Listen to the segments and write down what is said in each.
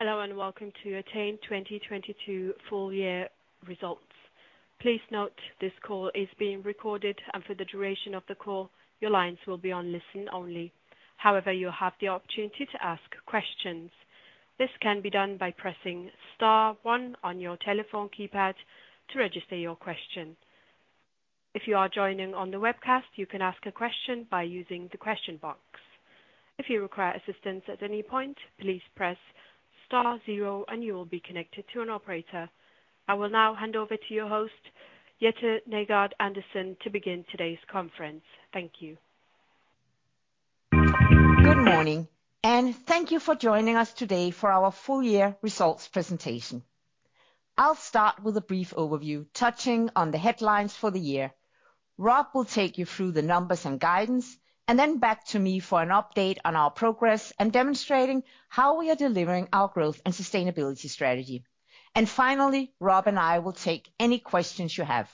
Hello. Welcome to Entain 2022 full year results. Please note, this call is being recorded. For the duration of the call, your lines will be on listen only. You have the opportunity to ask questions. This can be done by pressing star one on your telephone keypad to register your question. If you are joining on the webcast, you can ask a question by using the question box. If you require assistance at any point, please press star zero and you will be connected to an operator. I will now hand over to your host, Jette Nygaard-Andersen, to begin today's conference. Thank you. Good morning. Thank you for joining us today for our full year results presentation. I'll start with a brief overview, touching on the headlines for the year. Rob will take you through the numbers and guidance, and then back to me for an update on our progress and demonstrating how we are delivering our growth and sustainability strategy. Finally, Rob and I will take any questions you have.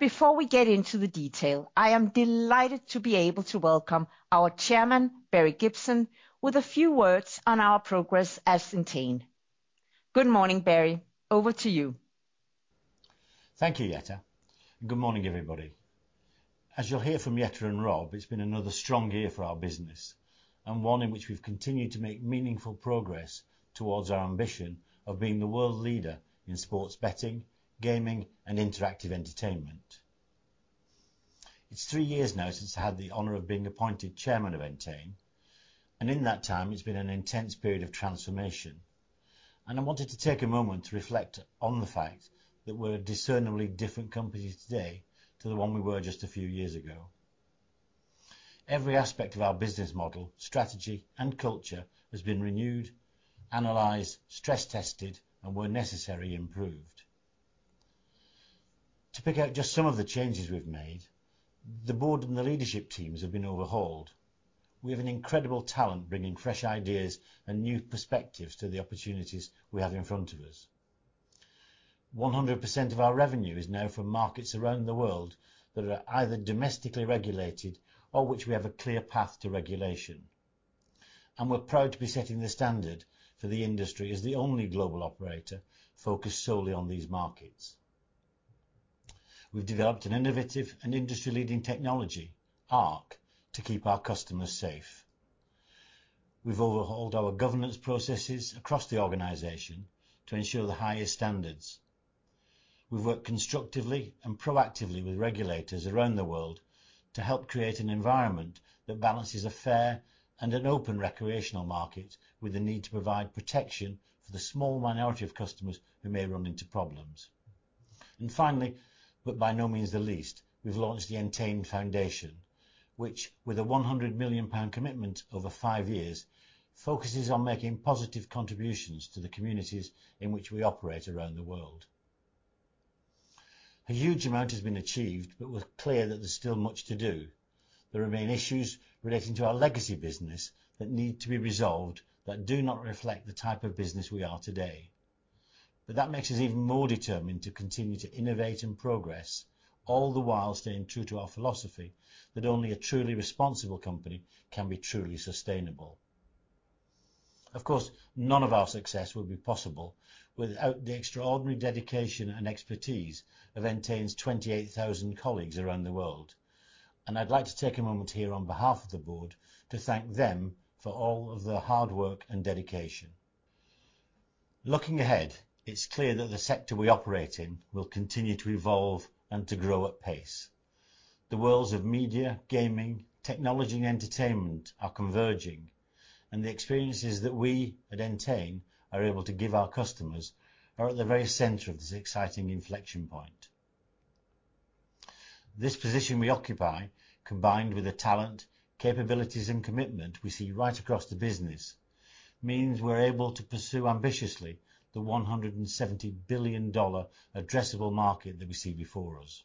Before we get into the detail, I am delighted to be able to welcome our Chairman, Barry Gibson, with a few words on our progress as Entain. Good morning, Barry. Over to you. Thank you, Jette. Good morning, everybody. As you'll hear from Jette and Rob, it's been another strong year for our business, and one in which we've continued to make meaningful progress towards our ambition of being the world leader in sports betting, gaming, and interactive entertainment. It's 3 years now since I had the honor of being appointed Chairman of Entain, and in that time it's been an intense period of transformation. I wanted to take a moment to reflect on the fact that we're a discernibly different company today to the one we were just a few years ago. Every aspect of our business model, strategy, and culture has been renewed, analyzed, stress-tested, and where necessary, improved. To pick out just some of the changes we've made, the board and the leadership teams have been overhauled. We have an incredible talent bringing fresh ideas and new perspectives to the opportunities we have in front of us. 100% of our revenue is now from markets around the world that are either domestically regulated or which we have a clear path to regulation. We're proud to be setting the standard for the industry as the only global operator focused solely on these markets. We've developed an innovative and industry-leading technology, ARC, to keep our customers safe. We've overhauled our governance processes across the organization to ensure the highest standards. We've worked constructively and proactively with regulators around the world to help create an environment that balances a fair and an open recreational market with the need to provide protection for the small minority of customers who may run into problems. Finally, but by no means the least, we've launched the Entain Foundation, which with a 100 million pound commitment over 5 years, focuses on making positive contributions to the communities in which we operate around the world. A huge amount has been achieved, we're clear that there's still much to do. There remain issues relating to our legacy business that need to be resolved that do not reflect the type of business we are today. That makes us even more determined to continue to innovate and progress, all the while staying true to our philosophy that only a truly responsible company can be truly sustainable. Of course, none of our success would be possible without the extraordinary dedication and expertise of Entain's 28,000 colleagues around the world. I'd like to take a moment here on behalf of the board to thank them for all of their hard work and dedication. Looking ahead, it's clear that the sector we operate in will continue to evolve and to grow at pace. The worlds of media, gaming, technology, and entertainment are converging, and the experiences that we at Entain are able to give our customers are at the very center of this exciting inflection point. This position we occupy, combined with the talent, capabilities, and commitment we see right across the business, means we're able to pursue ambitiously the $170 billion addressable market that we see before us.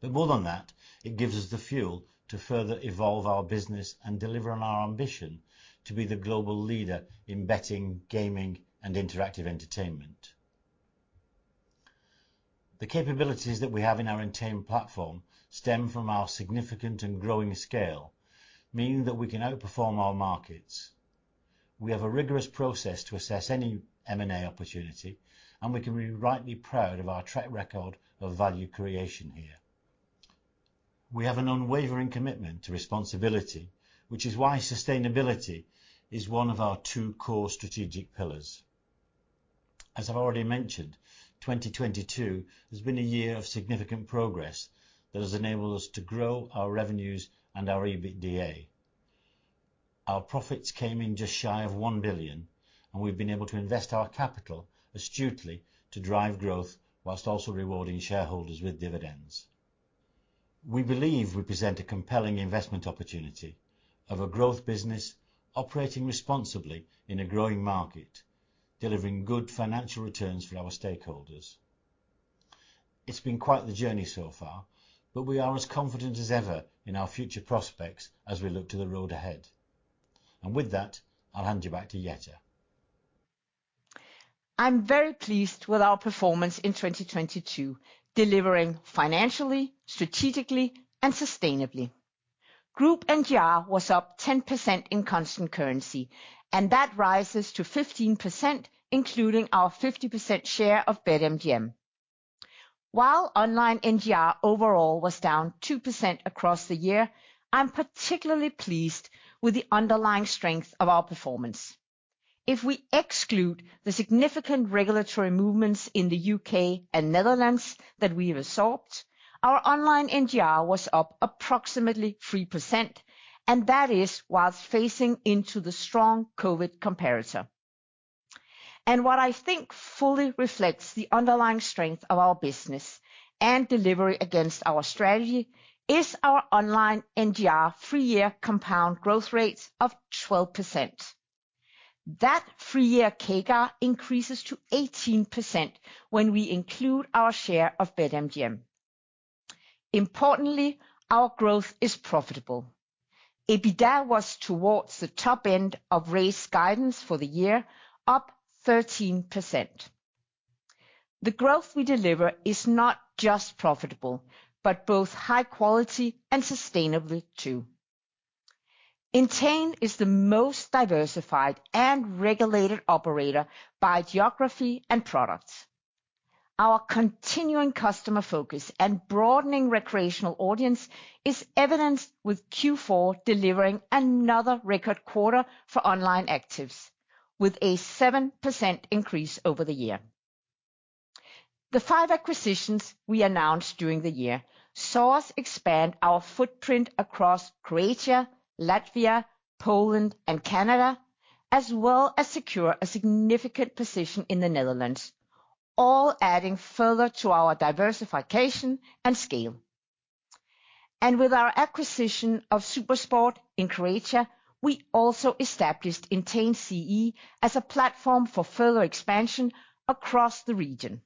More than that, it gives us the fuel to further evolve our business and deliver on our ambition to be the global leader in betting, gaming, and interactive entertainment. The capabilities that we have in our Entain platform stem from our significant and growing scale, meaning that we can outperform our markets. We have a rigorous process to assess any M&A opportunity, and we can be rightly proud of our track record of value creation here. We have an unwavering commitment to responsibility, which is why sustainability is one of our 2 core strategic pillars. As I've already mentioned, 2022 has been a year of significant progress that has enabled us to grow our revenues and our EBITDA. Our profits came in just shy of 1 billion, and we've been able to invest our capital astutely to drive growth while also rewarding shareholders with dividends. We believe we present a compelling investment opportunity of a growth business operating responsibly in a growing market, delivering good financial returns for our stakeholders. It's been quite the journey so far, but we are as confident as ever in our future prospects as we look to the road ahead. With that, I'll hand you back to Jette. I'm very pleased with our performance in 2022, delivering financially, strategically and sustainably. Group NGR was up 10% in constant currency, that rises to 15% including our 50% share of BetMGM. While online NGR overall was down 2% across the year, I'm particularly pleased with the underlying strength of our performance. If we exclude the significant regulatory movements in the U.K. and Netherlands that we have absorbed, our online NGR was up approximately 3%, that is whilst facing into the strong COVID comparator. What I think fully reflects the underlying strength of our business and delivery against our strategy is our online NGR 3-year compound growth rates of 12%. That 3-year CAGR increases to 18% when we include our share of BetMGM. Importantly, our growth is profitable. EBITDA was towards the top end of race guidance for the year, up 13%. The growth we deliver is not just profitable, but both high quality and sustainable too. Entain is the most diversified and regulated operator by geography and products. Our continuing customer focus and broadening recreational audience is evidenced with Q4 delivering another record quarter for online actives, with a 7% increase over the year. The 5 acquisitions we announced during the year saw us expand our footprint across Croatia, Latvia, Poland and Canada, as well as secure a significant position in the Netherlands, all adding further to our diversification and scale. With our acquisition of SuperSport in Croatia, we also established Entain CEE as a platform for further expansion across the region.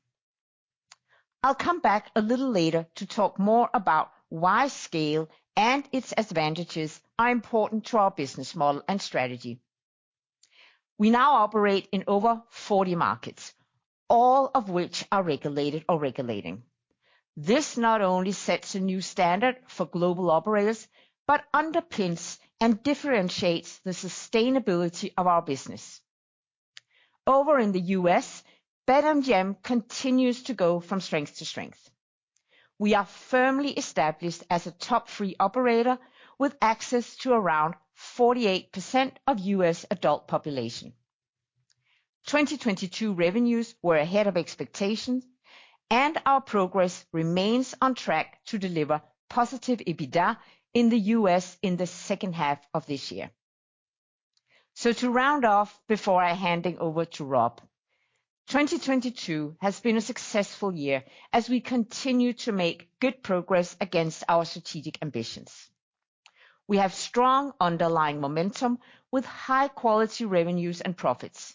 I'll come back a little later to talk more about why scale and its advantages are important to our business model and strategy. We now operate in over 40 markets, all of which are regulated or regulating. This not only sets a new standard for global operators, but underpins and differentiates the sustainability of our business. Over in the U.S., BetMGM continues to go from strength to strength. We are firmly established as a top 3 operator with access to around 48% of U.S. adult population. 2022 revenues were ahead of expectations, and our progress remains on track to deliver positive EBITDA in the U.S. in the H2 of this year. To round off before I hand it over to Rob, 2022 has been a successful year as we continue to make good progress against our strategic ambitions. We have strong underlying momentum with high-quality revenues and profits,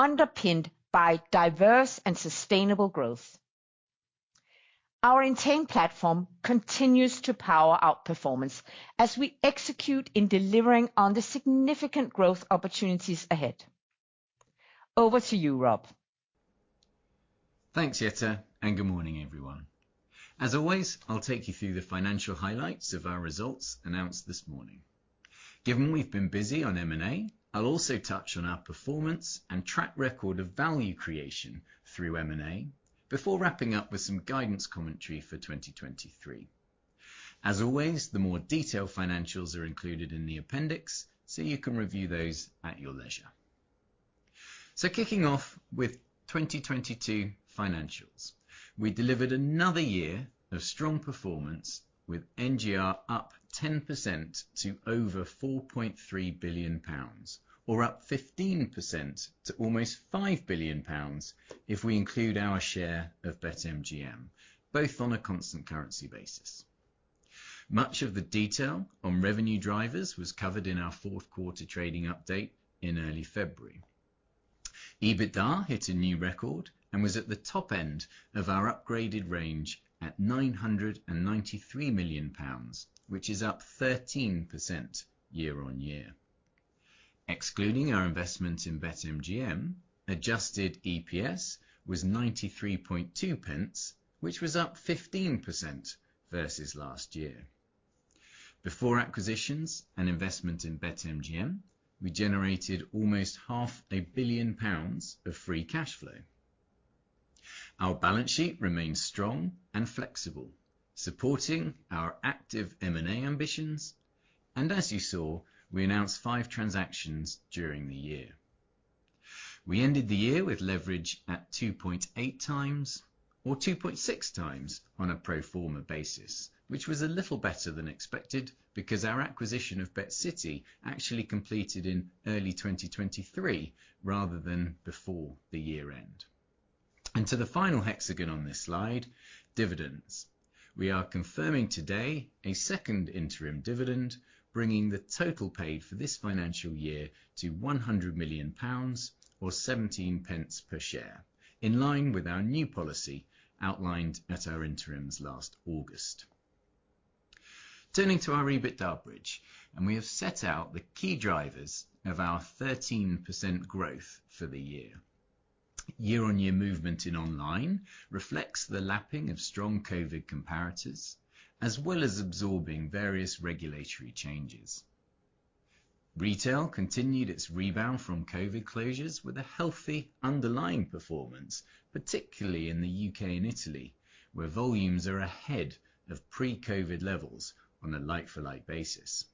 underpinned by diverse and sustainable growth. Our Entain platform continues to power out performance as we execute in delivering on the significant growth opportunities ahead. Over to you, Rob. Thanks, Jette, and good morning, everyone. As always, I'll take you through the financial highlights of our results announced this morning. Given we've been busy on M&A, I'll also touch on our performance and track record of value creation through M&A before wrapping up with some guidance commentary for 2023. As always, the more detailed financials are included in the appendix, so you can review those at your leisure. Kicking off with 2022 financials. We delivered another year of strong performance with NGR up 10% to over 4.3 billion pounds, or up 15% to almost 5 billion pounds if we include our share of BetMGM, both on a constant currency basis. Much of the detail on revenue drivers was covered in our Q4 trading update in early February. EBITDA hit a new record and was at the top end of our upgraded range at 993 million pounds, which is up 13% year-on-year. Excluding our investment in BetMGM, adjusted EPS was 0.932, which was up 15% versus last year. Before acquisitions and investment in BetMGM, we generated almost half a billion pounds of free cashflow. Our balance sheet remains strong and flexible, supporting our active M&A ambitions. As you saw, we announced 5 transactions during the year. We ended the year with leverage at 2.8 times or 2.6 times on a pro forma basis, which was a little better than expected because our acquisition of BetCity actually completed in early 2023 rather than before the year end. To the final hexagon on this slide, dividends. We are confirming today a second interim dividend, bringing the total paid for this financial year to 100 million pounds or 17 pence per share, in line with our new policy outlined at our interims last August. Turning to our EBITDA bridge, we have set out the key drivers of our 13% growth for the year. Year-on-year movement in online reflects the lapping of strong COVID comparators, as well as absorbing various regulatory changes. Retail continued its rebound from COVID closures with a healthy underlying performance, particularly in the U.K. and Italy, where volumes are ahead of pre-COVID levels on a like-for-like basis.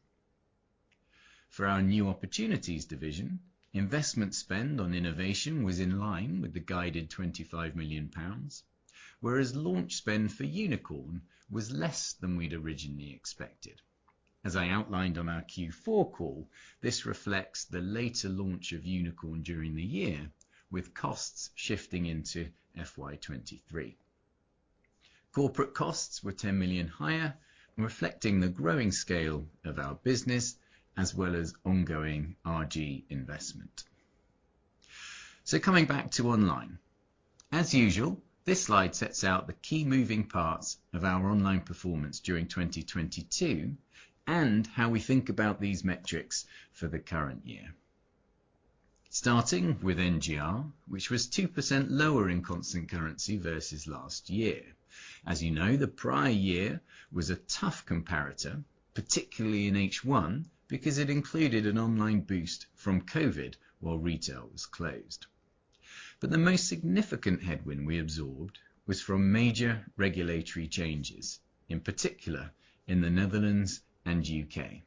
For our new opportunities division, investment spend on innovation was in line with the guided 25 million pounds, whereas launch spend for Unikrn was less than we'd originally expected. As I outlined on our Q4 call, this reflects the later launch of Unikrn during the year, with costs shifting into FY 2023. Corporate costs were 10 million higher, reflecting the growing scale of our business as well as ongoing RG investment. Coming back to online. As usual, this slide sets out the key moving parts of our online performance during 2022 and how we think about these metrics for the current year. Starting with NGR, which was 2% lower in constant currency versus last year. As you know, the prior year was a tough comparator, particularly in H1, because it included an online boost from COVID while retail was closed. But the most significant headwind we absorbed was from major regulatory changes, in particular in the Netherlands and U.K.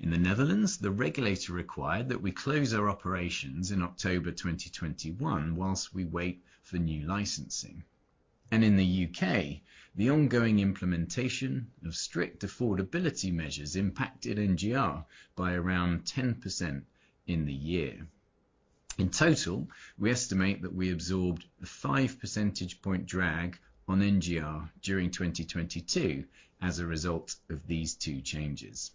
In the Netherlands, the regulator required that we close our operations in October 2021 whilst we wait for new licensing. In the U.K, the ongoing implementation of strict affordability measures impacted NGR by around 10% in the year. In total, we estimate that we absorbed a 5 percentage point drag on NGR during 2022 as a result of these 2 changes.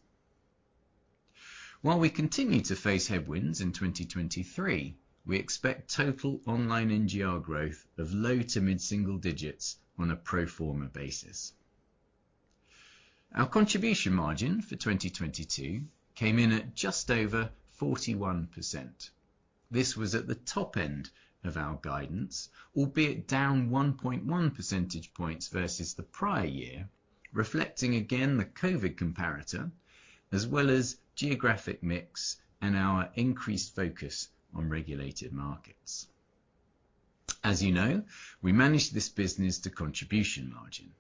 While we continue to face headwinds in 2023, we expect total online NGR growth of low to mid-single digits on a pro forma basis. Our contribution margin for 2022 came in at just over 41%. This was at the top end of our guidance, albeit down 1.1 percentage points versus the prior year, reflecting again the COVID comparator as well as geographic mix and our increased focus on regulated markets. As you know, we manage this business to contribution margin.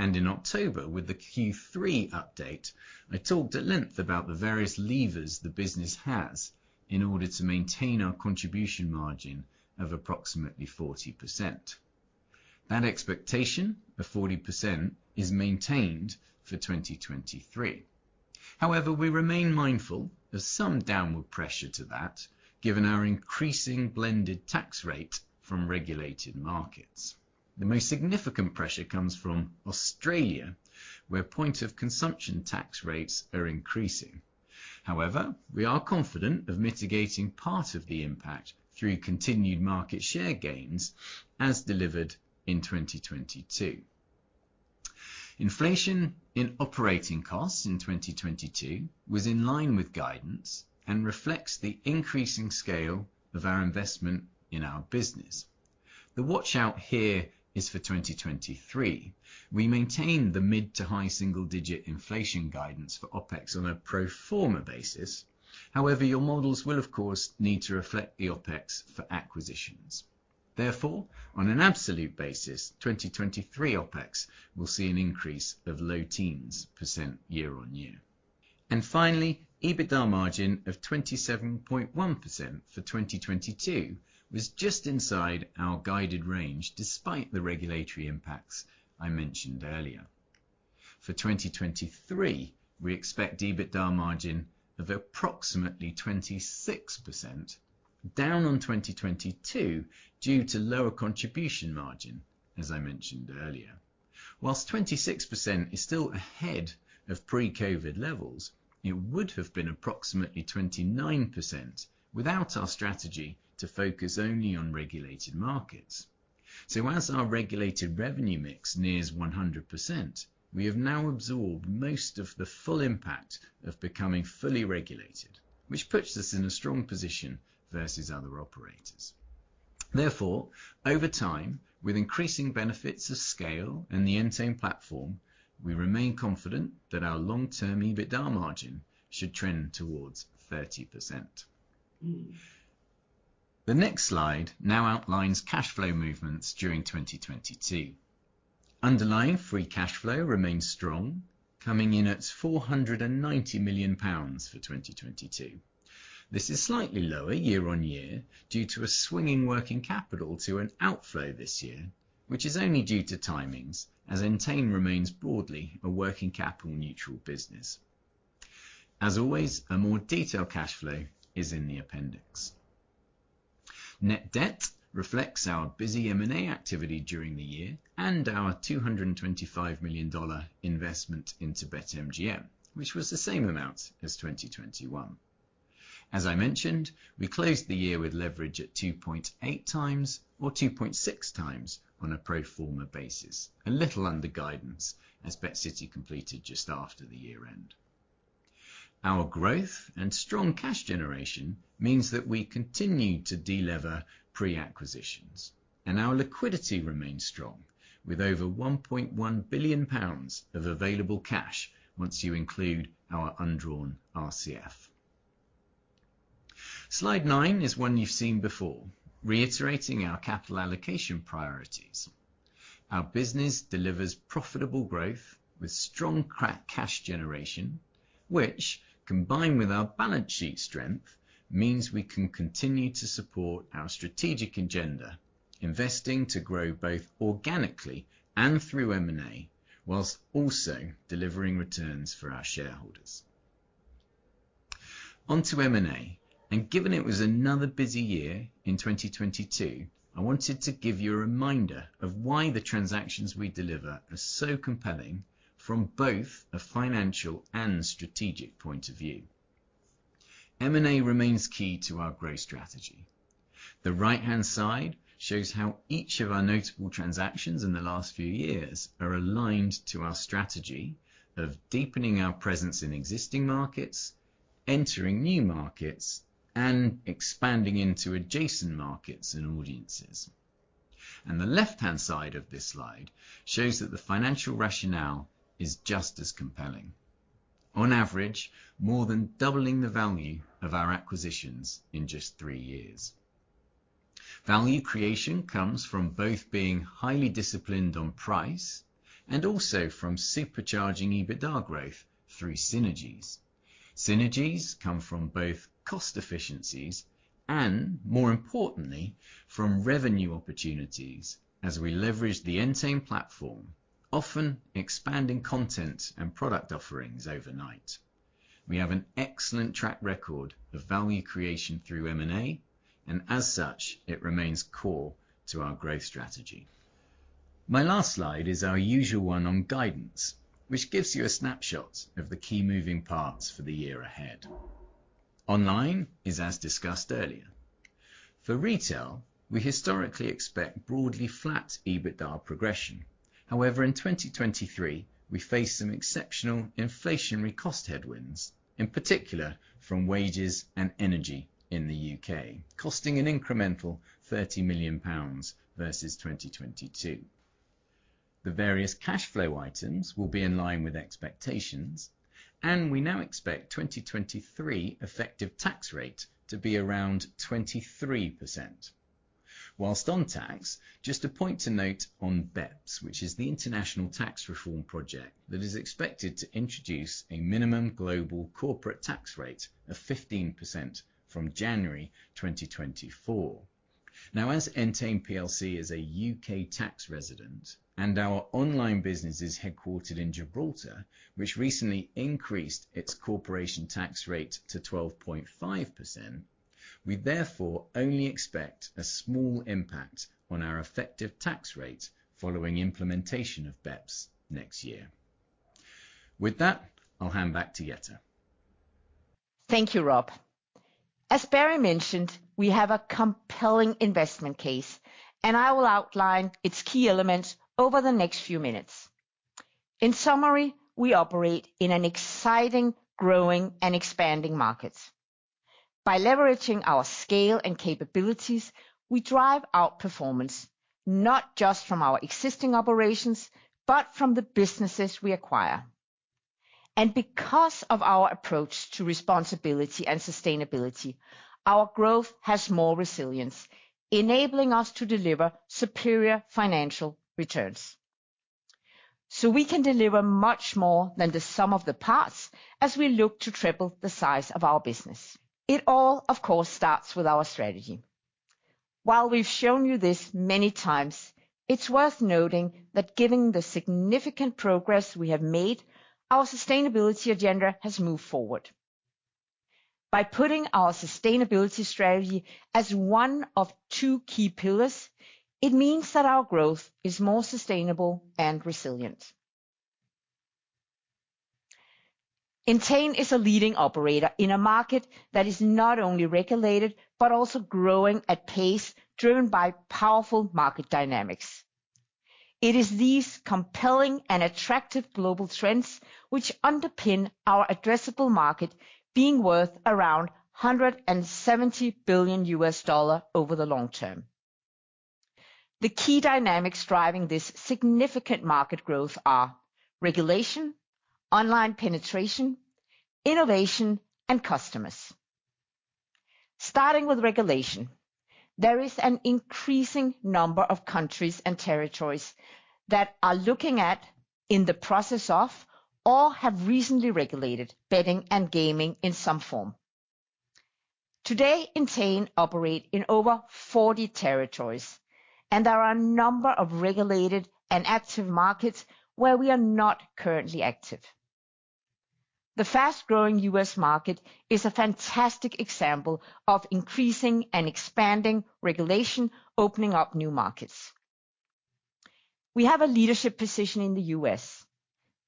In October, with the Q3 update, I talked at length about the various levers the business has in order to maintain our contribution margin of approximately 40%. That expectation of 40% is maintained for 2023. We remain mindful of some downward pressure to that given our increasing blended tax rate from regulated markets. The most significant pressure comes from Australia, where point of consumption tax rates are increasing. We are confident of mitigating part of the impact through continued market share gains as delivered in 2022. Inflation in operating costs in 2022 was in line with guidance and reflects the increasing scale of our investment in our business. The watch-out here is for 2023. We maintain the mid to high single-digit inflation guidance for OpEx on a pro forma basis. However, your models will of course need to reflect the OpEx for acquisitions. Therefore, on an absolute basis, 2023 OpEx will see an increase of low teens % year on year. Finally, EBITDA margin of 27.1% for 2022 was just inside our guided range despite the regulatory impacts I mentioned earlier. For 2023, we expect EBITDA margin of approximately 26%, down on 2022 due to lower contribution margin, as I mentioned earlier. Whilst 26% is still ahead of pre-COVID levels, it would have been approximately 29% without our strategy to focus only on regulated markets. As our regulated revenue mix nears 100%, we have now absorbed most of the full impact of becoming fully regulated, which puts us in a strong position versus other operators. Therefore, over time, with increasing benefits of scale in the Entain platform, we remain confident that our long-term EBITDA margin should trend towards 30%. The next slide now outlines cash flow movements during 2022. Underlying free cash flow remains strong, coming in at 490 million pounds for 2022. This is slightly lower year-over-year due to a swing in working capital to an outflow this year, which is only due to timings, as Entain remains broadly a working capital neutral business. As always, a more detailed cash flow is in the appendix. Net debt reflects our busy M&A activity during the year and our $225 million investment into BetMGM, which was the same amount as 2021. As I mentioned, we closed the year with leverage at 2.8 times or 2.6 times on a pro forma basis, a little under guidance as BetCity completed just after the year-end. Our growth and strong cash generation means that we continue to de-lever pre-acquisitions, and our liquidity remains strong with over 1.1 billion pounds of available cash once you include our undrawn RCF. Slide 9 is one you've seen before, reiterating our capital allocation priorities. Our business delivers profitable growth with strong cash generation, which combined with our balance sheet strength, means we can continue to support our strategic agenda, investing to grow both organically and through M&A, while also delivering returns for our shareholders. On to M&A, given it was another busy year in 2022, I wanted to give you a reminder of why the transactions we deliver are so compelling from both a financial and strategic point of view. M&A remains key to our growth strategy. The right-hand side shows how each of our notable transactions in the last few years are aligned to our strategy of deepening our presence in existing markets, entering new markets, and expanding into adjacent markets and audiences. The left-hand side of this slide shows that the financial rationale is just as compelling. On average, more than doubling the value of our acquisitions in just 3 years. Value creation comes from both being highly disciplined on price and also from supercharging EBITDA growth through synergies. Synergies come from both cost efficiencies and, more importantly, from revenue opportunities as we leverage the Entain platform, often expanding content and product offerings overnight. We have an excellent track record of value creation through M&A, and as such, it remains core to our growth strategy. My last slide is our usual one on guidance, which gives you a snapshot of the key moving parts for the year ahead. Online is as discussed earlier. For retail, we historically expect broadly flat EBITDA progression. However, in 2023, we face some exceptional inflationary cost headwinds, in particular from wages and energy in the U.K, costing an incremental 30 million pounds versus 2022. The various cash flow items will be in line with expectations, and we now expect 2023 effective tax rate to be around 23%. Whilst on tax, just a point to note on BEPS, which is the international tax reform project that is expected to introduce a minimum global corporate tax rate of 15% from January 2024. As Entain PLC is a U.K. tax resident and our online business is headquartered in Gibraltar, which recently increased its corporation tax rate to 12.5%, we therefore only expect a small impact on our effective tax rate following implementation of BEPS next year. With that, I'll hand back to Jette. Thank you, Rob. As Barry mentioned, we have a compelling investment case. I will outline its key elements over the next few minutes. In summary, we operate in an exciting, growing, and expanding market. By leveraging our scale and capabilities, we drive our performance not just from our existing operations, but from the businesses we acquire. Because of our approach to responsibility and sustainability, our growth has more resilience, enabling us to deliver superior financial returns. We can deliver much more than the sum of the parts as we look to triple the size of our business. It all, of course, starts with our strategy. While we've shown you this many times, it's worth noting that given the significant progress we have made, our sustainability agenda has moved forward. By putting our sustainability strategy as one of 2 key pillars, it means that our growth is more sustainable and resilient. Entain is a leading operator in a market that is not only regulated but also growing at pace driven by powerful market dynamics. It is these compelling and attractive global trends which underpin our addressable market being worth around $170 billion over the long term. The key dynamics driving this significant market growth are regulation, online penetration, innovation, and customers. Starting with regulation, there is an increasing number of countries and territories that are looking at, in the process of, or have recently regulated betting and gaming in some form. Today, Entain operate in over 40 territories, and there are a number of regulated and active markets where we are not currently active. The fast-growing U.S. market is a fantastic example of increasing and expanding regulation opening up new markets. We have a leadership position in the U.S.,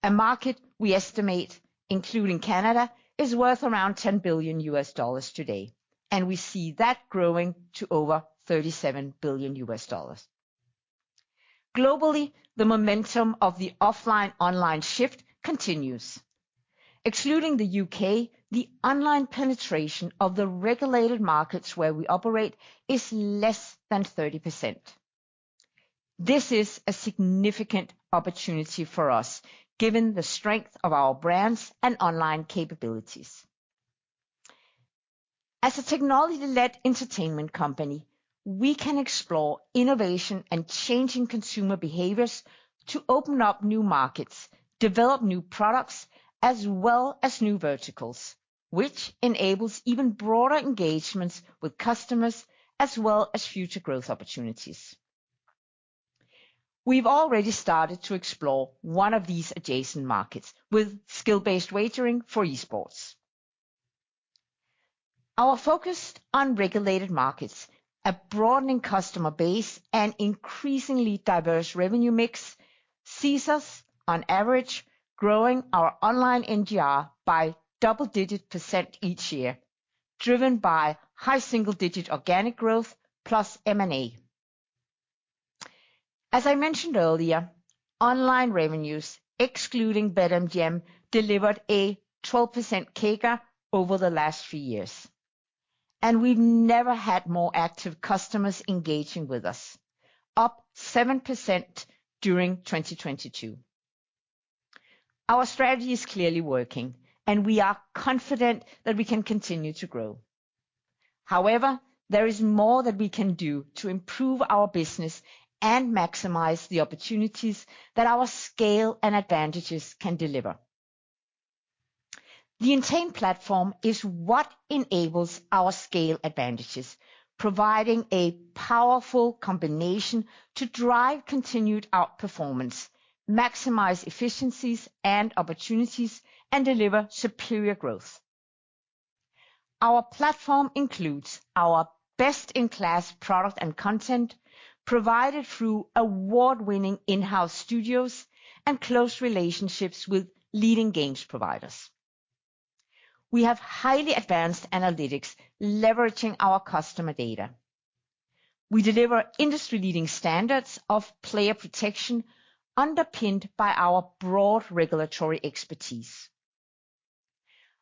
a market we estimate, including Canada, is worth around $10 billion today, and we see that growing to over $37 billion. Globally, the momentum of the offline/online shift continues. Excluding the U.K, the online penetration of the regulated markets where we operate is less than 30%. This is a significant opportunity for us given the strength of our brands and online capabilities. As a technology-led entertainment company, we can explore innovation and changing consumer behaviors to open up new markets, develop new products, as well as new verticals, which enables even broader engagements with customers as well as future growth opportunities. We've already started to explore one of these adjacent markets with skill-based wagering for esports. Our focus on regulated markets, a broadening customer base, and increasingly diverse revenue mix sees us, on average, growing our online NGR by double-digit % each year, driven by high single-digit organic growth plus M&A. As I mentioned earlier, online revenues, excluding BetMGM, delivered a 12% CAGR over the last few years. We never had more active customers engaging with us, up 7% during 2022. Our strategy is clearly working. We are confident that we can continue to grow. However, there is more that we can do to improve our business and maximize the opportunities that our scale and advantages can deliver. The Entain platform is what enables our scale advantages, providing a powerful combination to drive continued outperformance, maximize efficiencies and opportunities, and deliver superior growth. Our platform includes our best-in-class product and content provided through award-winning in-house studios and close relationships with leading games providers. We have highly advanced analytics leveraging our customer data. We deliver industry-leading standards of player protection underpinned by our broad regulatory expertise.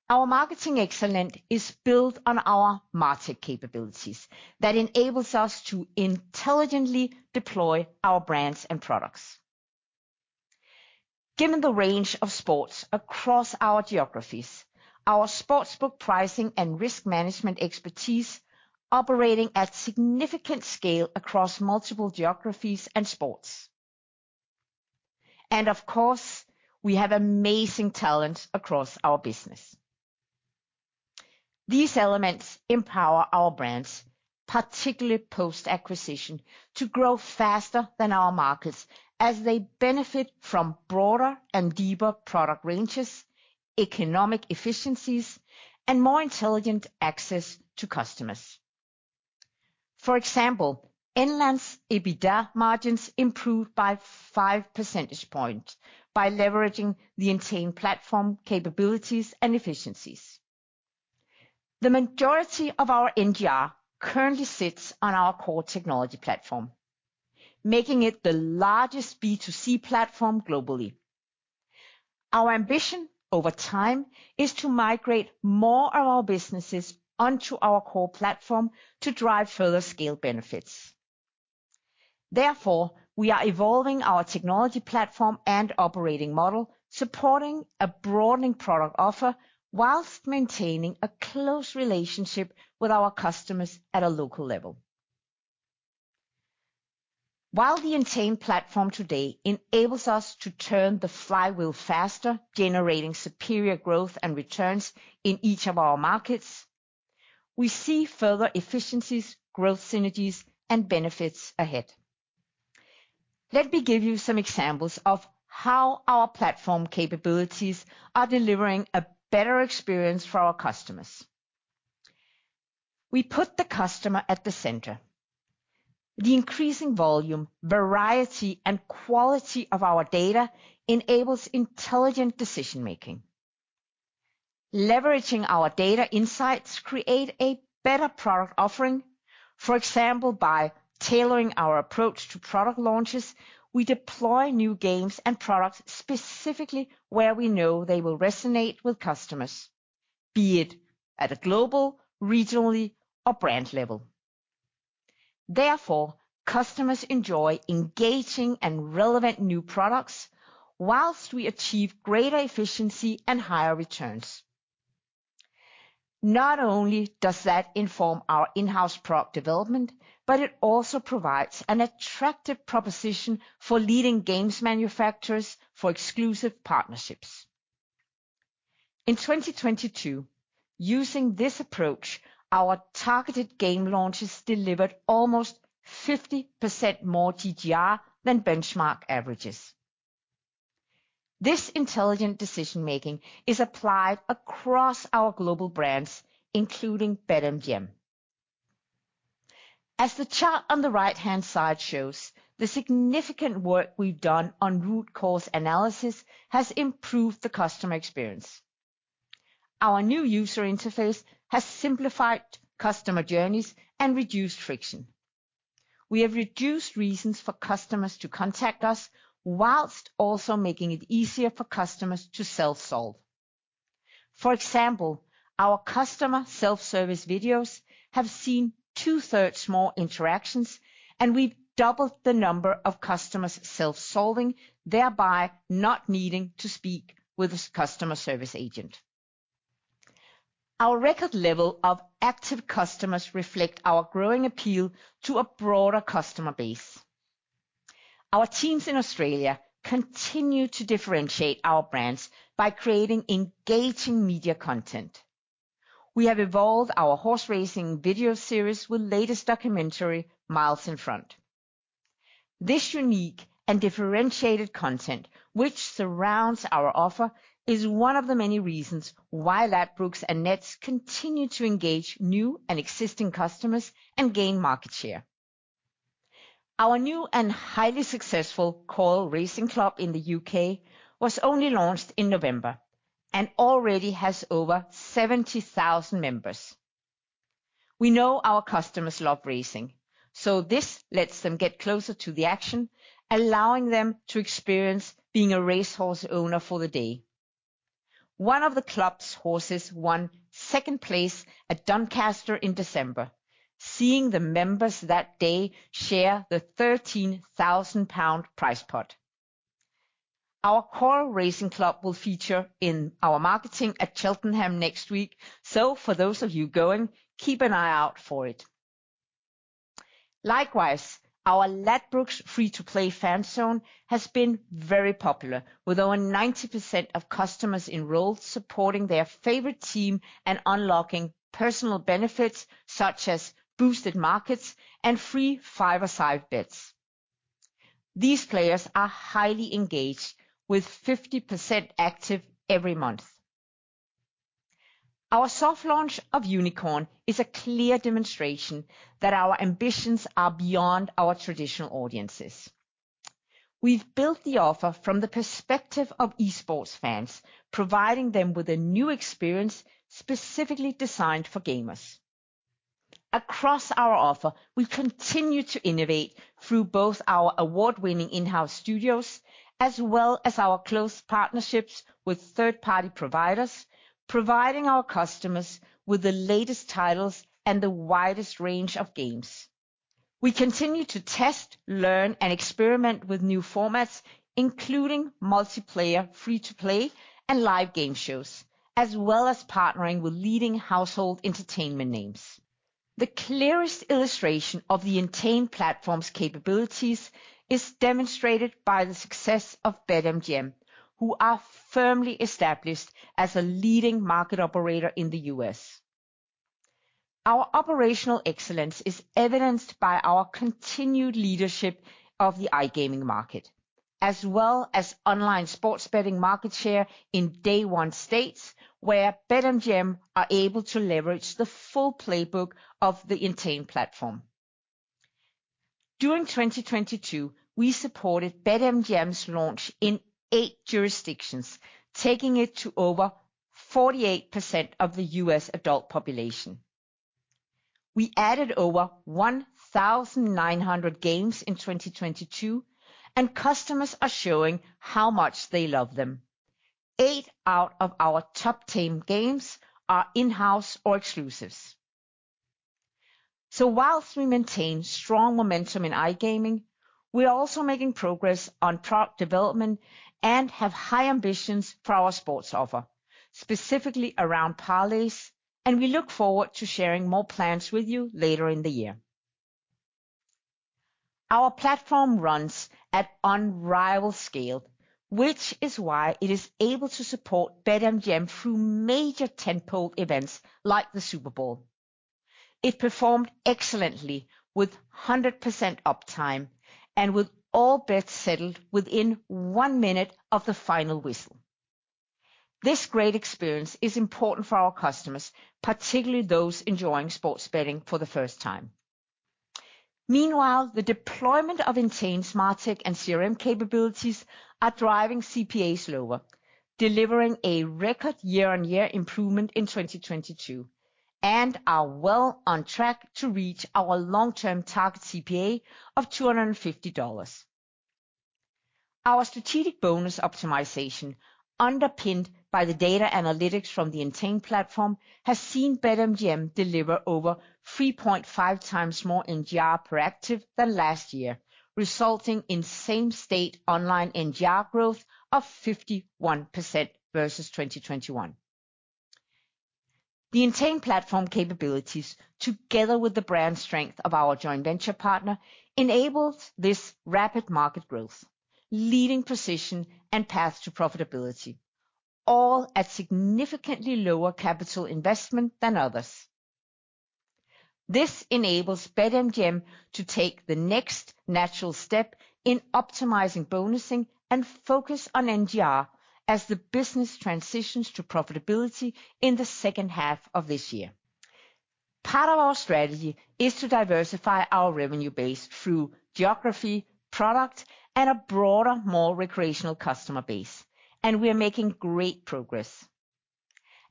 Our marketing excellence is built on our market capabilities that enables us to intelligently deploy our brands and products. Given the range of sports across our geographies, our sportsbook pricing and risk management expertise operating at significant scale across multiple geographies and sports. Of course, we have amazing talent across our business. These elements empower our brands, particularly post-acquisition, to grow faster than our markets as they benefit from broader and deeper product ranges, economic efficiencies, and more intelligent access to customers. For example, inland EBITDA margins improved by 5 percentage points by leveraging the Entain platform capabilities and efficiencies. The majority of our NGR currently sits on our core technology platform, making it the largest B2C platform globally. Our ambition over time is to migrate more of our businesses onto our core platform to drive further scale benefits. Therefore, we are evolving our technology platform and operating model, supporting a broadening product offer whilst maintaining a close relationship with our customers at a local level. While the Entain platform today enables us to turn the flywheel faster, generating superior growth and returns in each of our markets, we see further efficiencies, growth synergies, and benefits ahead. Let me give you some examples of how our platform capabilities are delivering a better experience for our customers. We put the customer at the center. The increasing volume, variety, and quality of our data enables intelligent decision-making. Leveraging our data insights create a better product offering. For example, by tailoring our approach to product launches, we deploy new games and products specifically where we know they will resonate with customers, be it at a global, regionally, or brand level. Therefore, customers enjoy engaging and relevant new products whilst we achieve greater efficiency and higher returns. Not only does that inform our in-house product development, but it also provides an attractive proposition for leading games manufacturers for exclusive partnerships. In 2022, using this approach, our targeted game launches delivered almost 50% more TGR than benchmark averages. This intelligent decision-making is applied across our global brands, including BetMGM. As the chart on the right-hand side shows, the significant work we've done on root cause analysis has improved the customer experience. Our new user interface has simplified customer journeys and reduced friction. We have reduced reasons for customers to contact us, whilst also making it easier for customers to self-solve. For example, our customer self-service videos have seen 2-thirds more interactions, and we've doubled the number of customers self-solving, thereby not needing to speak with a customer service agent. Our record level of active customers reflect our growing appeal to a broader customer base. Our teams in Australia continue to differentiate our brands by creating engaging media content. We have evolved our horse racing video series with latest documentary, Miles In Front. This unique and differentiated content, which surrounds our offer, is one of the many reasons why Ladbrokes and Neds continue to engage new and existing customers and gain market share. Our new and highly successful Coral Racing Club in the U.K. was only launched in November, and already has over 70,000 members. We know our customers love racing, this lets them get closer to the action, allowing them to experience being a racehorse owner for the day. One of the club's horses won second place at Doncaster in December, seeing the members that day share the 13,000 pound prize pot. Our Coral Racing Club will feature in our marketing at Cheltenham next week. For those of you going, keep an eye out for it. Likewise, our Ladbrokes Free-to-Play Fan Zone has been very popular, with over 90% of customers enrolled supporting their favorite team and unlocking personal benefits, such as boosted markets and free 5-a-side bets. These players are highly engaged, with 50% active every month. Our soft launch of Unikrn is a clear demonstration that our ambitions are beyond our traditional audiences. We've built the offer from the perspective of esports fans, providing them with a new experience specifically designed for gamers. Across our offer, we continue to innovate through both our award-winning in-house studios, as well as our close partnerships with third-party providers, providing our customers with the latest titles and the widest range of games. We continue to test, learn, and experiment with new formats, including multiplayer free-to-play and live game shows, as well as partnering with leading household entertainment names. The clearest illustration of the Entain platform's capabilities is demonstrated by the success of BetMGM, who are firmly established as a leading market operator in the US. Our operational excellence is evidenced by our continued leadership of the iGaming market, as well as online sports betting market share in Day One states, where BetMGM are able to leverage the full playbook of the Entain platform. During 2022, we supported BetMGM's launch in 8 jurisdictions, taking it to over 48% of the US adult population. We added over 1,900 games in 2022, customers are showing how much they love them. 8 out of our top 10 games are in-house or exclusives. Whilst we maintain strong momentum in iGaming, we are also making progress on product development and have high ambitions for our sports offer, specifically around parlays, we look forward to sharing more plans with you later in the year. Our platform runs at unrivaled scale, which is why it is able to support BetMGM through major tentpole events like the Super Bowl. It performed excellently with 100% uptime and with all bets settled within 1 minute of the final whistle. This great experience is important for our customers, particularly those enjoying sports betting for the first time. Meanwhile, the deployment of Entain's smart tech and CRM capabilities are driving CPAs lower, delivering a record year-on-year improvement in 2022, and are well on track to reach our long-term target CPA of $250. Our strategic bonus optimization, underpinned by the data analytics from the Entain platform, has seen BetMGM deliver over 3.5 times more NGR per active than last year, resulting in same state online NGR growth of 51% versus 2021. The Entain platform capabilities, together with the brand strength of our joint venture partner, enables this rapid market growth, leading position, and path to profitability, all at significantly lower capital investment than others. This enables BetMGM to take the next natural step in optimizing bonusing and focus on NGR as the business transitions to profitability in the H2 of this year. Part of our strategy is to diversify our revenue base through geography, product, and a broader, more recreational customer base, and we are making great progress.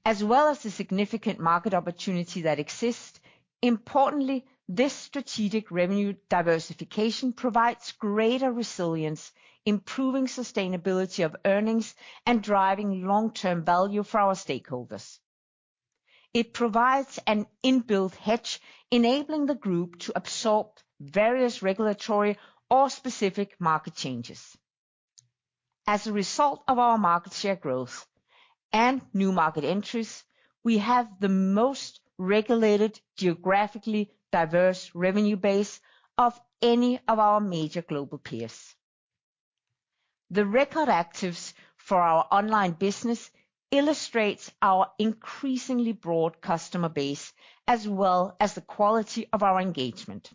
As well as the significant market opportunity that exists, importantly, this strategic revenue diversification provides greater resilience, improving sustainability of earnings, and driving long-term value for our stakeholders. It provides an inbuilt hedge, enabling the group to absorb various regulatory or specific market changes. As a result of our market share growth and new market entries, we have the most regulated, geographically diverse revenue base of any of our major global peers. The record actives for our online business illustrates our increasingly broad customer base, as well as the quality of our engagement.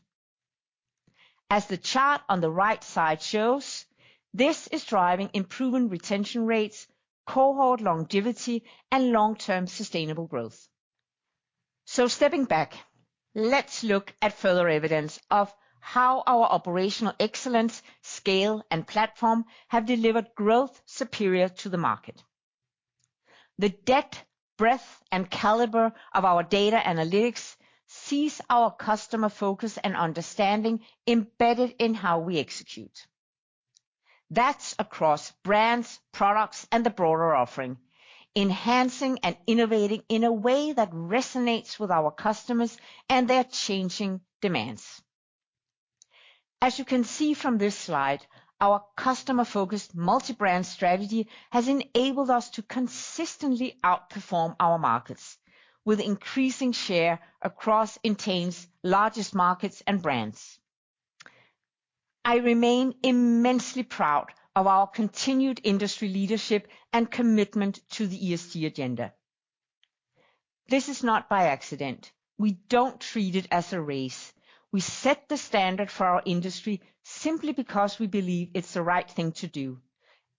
As the chart on the right side shows, this is driving improving retention rates, cohort longevity, and long-term sustainable growth. Stepping back, let's look at further evidence of how our operational excellence, scale, and platform have delivered growth superior to the market. The depth, breadth, and caliber of our data analytics sees our customer focus and understanding embedded in how we execute. That's across brands, products, and the broader offering, enhancing and innovating in a way that resonates with our customers and their changing demands. As you can see from this slide, our customer-focused multi-brand strategy has enabled us to consistently outperform our markets, with increasing share across Entain's largest markets and brands. I remain immensely proud of our continued industry leadership and commitment to the ESG agenda. This is not by accident. We don't treat it as a race. We set the standard for our industry simply because we believe it's the right thing to do,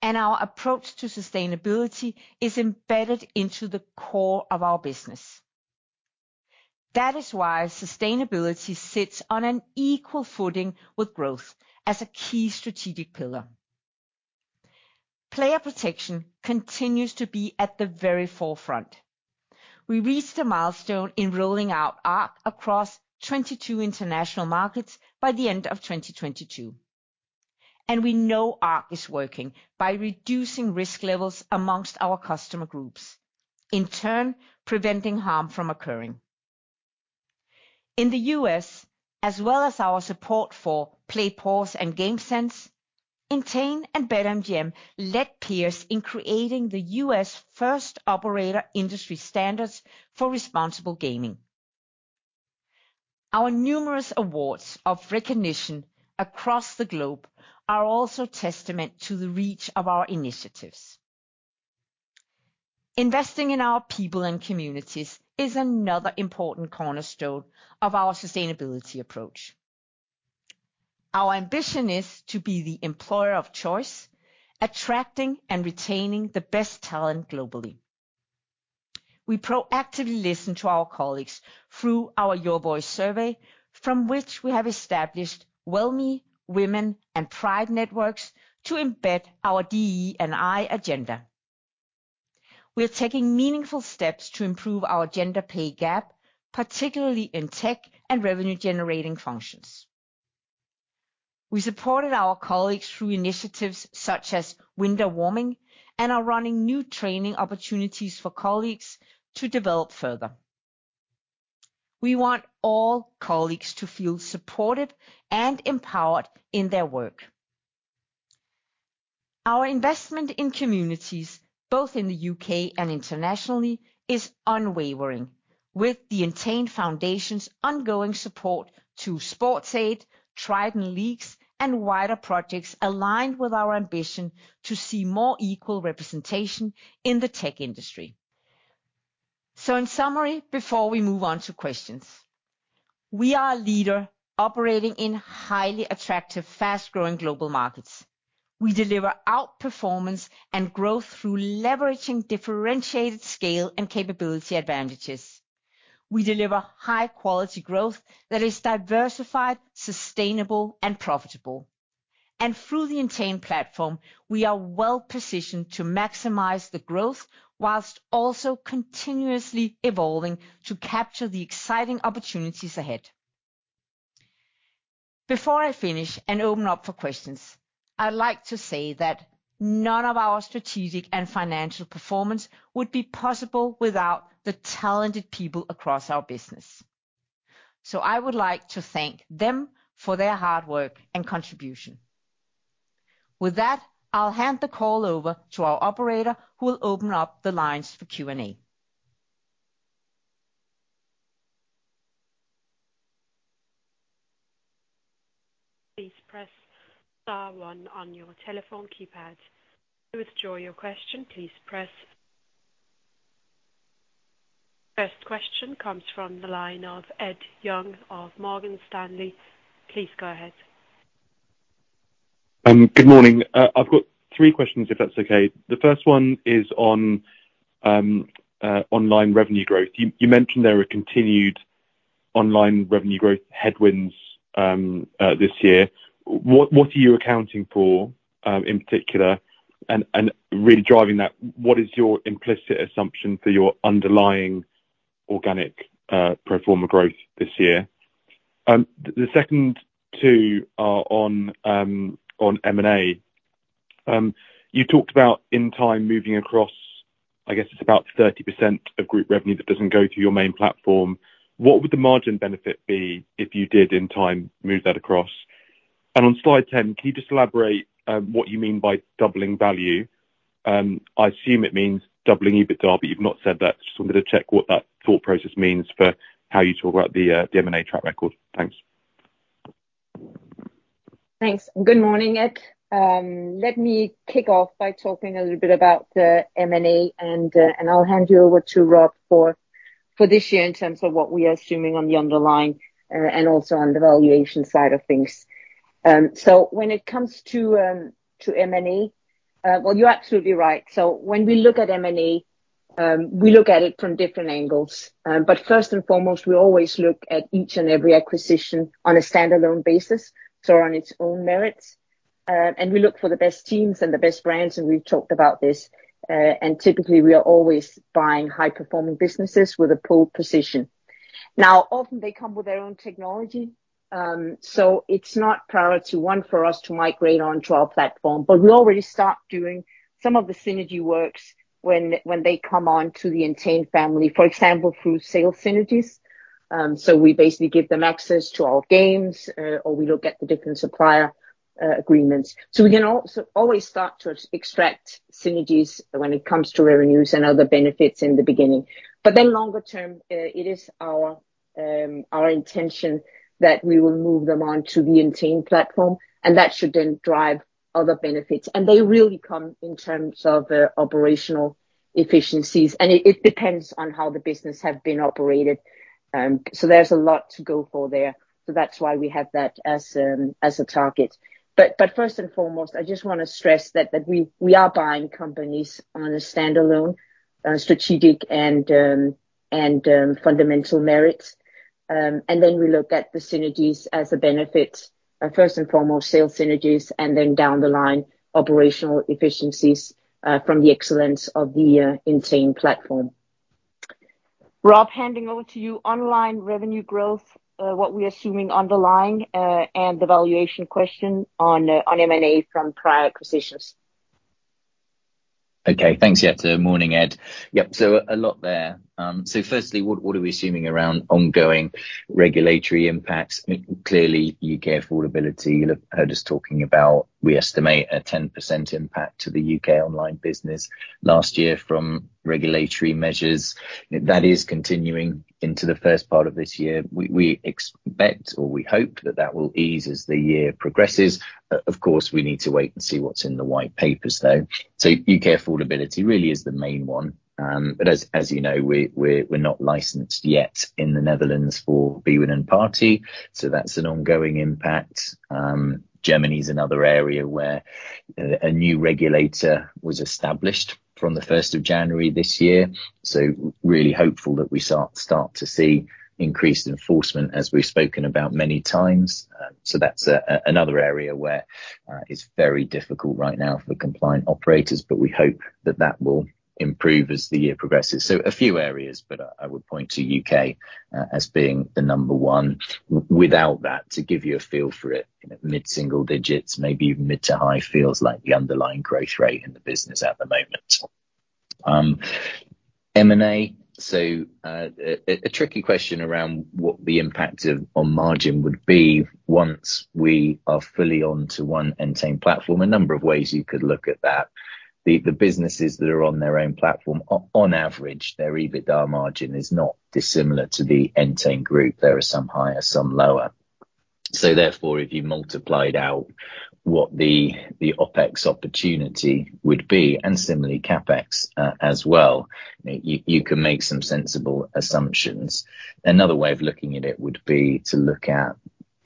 and our approach to sustainability is embedded into the core of our business. That is why sustainability sits on an equal footing with growth as a key strategic pillar. Player protection continues to be at the very forefront. We reached a milestone in rolling out ARC across 22 international markets by the end of 2022, and we know ARC is working by reducing risk levels amongst our customer groups, in turn, preventing harm from occurring. In the U.S, as well as our support for PlayPause and GameSense, Entain and BetMGM led peers in creating the U.S. first operator industry standards for responsible gaming. Our numerous awards of recognition across the globe are also testament to the reach of our initiatives. Investing in our people and communities is another important cornerstone of our sustainability approach. Our ambition is to be the employer of choice, attracting and retaining the best talent globally. We proactively listen to our colleagues through our Your Voice survey, from which we have established WellMe, Women, and Pride networks to embed our DE&I agenda. We're taking meaningful steps to improve our gender pay gap, particularly in tech and revenue-generating functions. We supported our colleagues through initiatives such as window warming and are running new training opportunities for colleagues to develop further. We want all colleagues to feel supported and empowered in their work. Our investment in communities, both in the U.K. and internationally, is unwavering with the Entain Foundation's ongoing support to SportsAid, Trident Leagues, and wider projects aligned with our ambition to see more equal representation in the tech industry. In summary, before we move on to questions, we are a leader operating in highly attractive, fast-growing global markets. We deliver outperformance and growth through leveraging differentiated scale and capability advantages. We deliver high-quality growth that is diversified, sustainable, and profitable. Through the Entain platform, we are well-positioned to maximize the growth while also continuously evolving to capture the exciting opportunities ahead. Before I finish and open up for questions, I'd like to say that none of our strategic and financial performance would be possible without the talented people across our business. I would like to thank them for their hard work and contribution. With that, I'll hand the call over to our operator, who will open up the lines for Q&A. Please press star one on your telephone keypad. To withdraw your question, please press. First question comes from the line of Ed Young of Morgan Stanley. Please go ahead. Good morning. I've got 3 questions, if that's okay. The first one is on online revenue growth. You mentioned there a continued online revenue growth headwinds this year. What are you accounting for in particular? Really driving that, what is your implicit assumption for your underlying organic pro forma growth this year? The second 2 are on M&A. You talked about in time moving across, I guess it's about 30% of group revenue that doesn't go through your main platform. What would the margin benefit be if you did in time move that across? On slide 10, can you just elaborate what you mean by doubling value? I assume it means doubling EBITDA, but you've not said that. Just wanted to check what that thought process means for how you talk about the M&A track record. Thanks. Thanks. Good morning, Ed. Let me kick off by talking a little bit about the M&A and I'll hand you over to Rob for this year in terms of what we are assuming on the underlying and also on the valuation side of things. When it comes to M&A, well, you're absolutely right. When we look at M&A, we look at it from different angles. But first and foremost, we always look at each and every acquisition on a standalone basis, so on its own merits. We look for the best teams and the best brands, and we've talked about this. Typically, we are always buying high-performing businesses with a pole position. Often they come with their own technology, so it's not priority 1 for us to migrate onto our platform. We already start doing some of the synergy works when they come onto the Entain family. For example, through sales synergies. We basically give them access to our games, or we look at the different supplier agreements. We can also always start to extract synergies when it comes to revenues and other benefits in the beginning. Longer term, it is our intention that we will move them on to the Entain platform, and that should then drive other benefits. They really come in terms of operational efficiencies. It depends on how the business have been operated. There's a lot to go for there, that's why we have that as a target. First and foremost, I just wanna stress that we are buying companies on a standalone, strategic and fundamental merits. Then we look at the synergies as a benefit. First and foremost, sales synergies, and then down the line, operational efficiencies from the excellence of the Entain platform. Rob, handing over to you online revenue growth, what we're assuming underlying, and the valuation question on M&A from prior acquisitions. Thanks, Jette. Morning, Ed. A lot there. Firstly, what are we assuming around ongoing regulatory impacts? Clearly U.K. affordability, you'll have heard us talking about, we estimate a 10% impact to the U.K. online business last year from regulatory measures. That is continuing into the first part of this year. We expect, or we hope that that will ease as the year progresses. Of course, we need to wait and see what's in the white papers though. U.K. affordability really is the main one. As you know, we're not licensed yet in the Netherlands for bwin and Party, so that's an ongoing impact. Germany's another area where a new regulator was established from the first of January this year. Really hopeful that we start to see increased enforcement as we've spoken about many times. That's another area where it's very difficult right now for compliant operators. We hope that that will improve as the year progresses. A few areas, but I would point to U.K. as being the number one. Without that, to give you a feel for it, you know, mid-single digits, maybe even mid to high feels like the underlying growth rate in the business at the moment. M&A, a tricky question around what the impact of... on margin would be once we are fully onto one Entain platform. A number of ways you could look at that. The businesses that are on their own platform, on average, their EBITDA margin is not dissimilar to the Entain group. There are some higher, some lower. Therefore, if you multiplied out what the OpEx opportunity would be, and similarly CapEx as well, you can make some sensible assumptions. Another way of looking at it would be to look at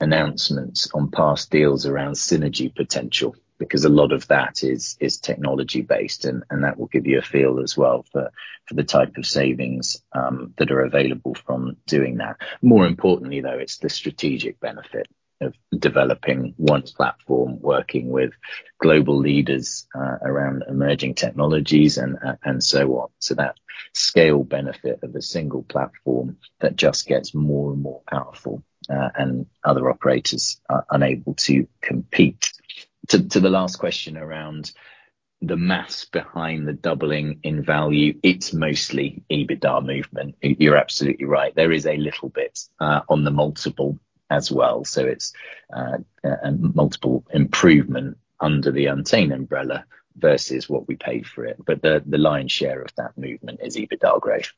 announcements on past deals around synergy potential, because a lot of that is technology based and that will give you a feel as well for the type of savings that are available from doing that. More importantly, though, it's the strategic benefit of developing one platform, working with global leaders around emerging technologies and so on. That scale benefit of a single platform that just gets more and more powerful and other operators are unable to compete. To the last question around the math behind the doubling in value, it's mostly EBITDA movement. You're absolutely right. There is a little bit on the multiple as well. It's a multiple improvement under the Entain umbrella versus what we pay for it. The lion's share of that movement is EBITDA growth.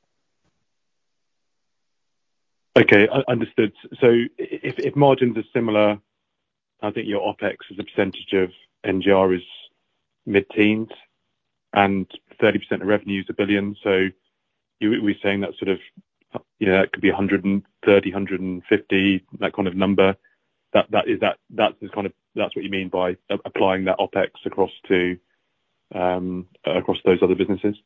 Understood. If margins are similar, I think your OpEx as a percentage of NGR is mid-teens and 30% of revenue is 1 billion. We're saying that sort of, you know, it could be 130 million, 150 million, that kind of number. That is kind of that's what you mean by applying that OpEx across to across those other businesses?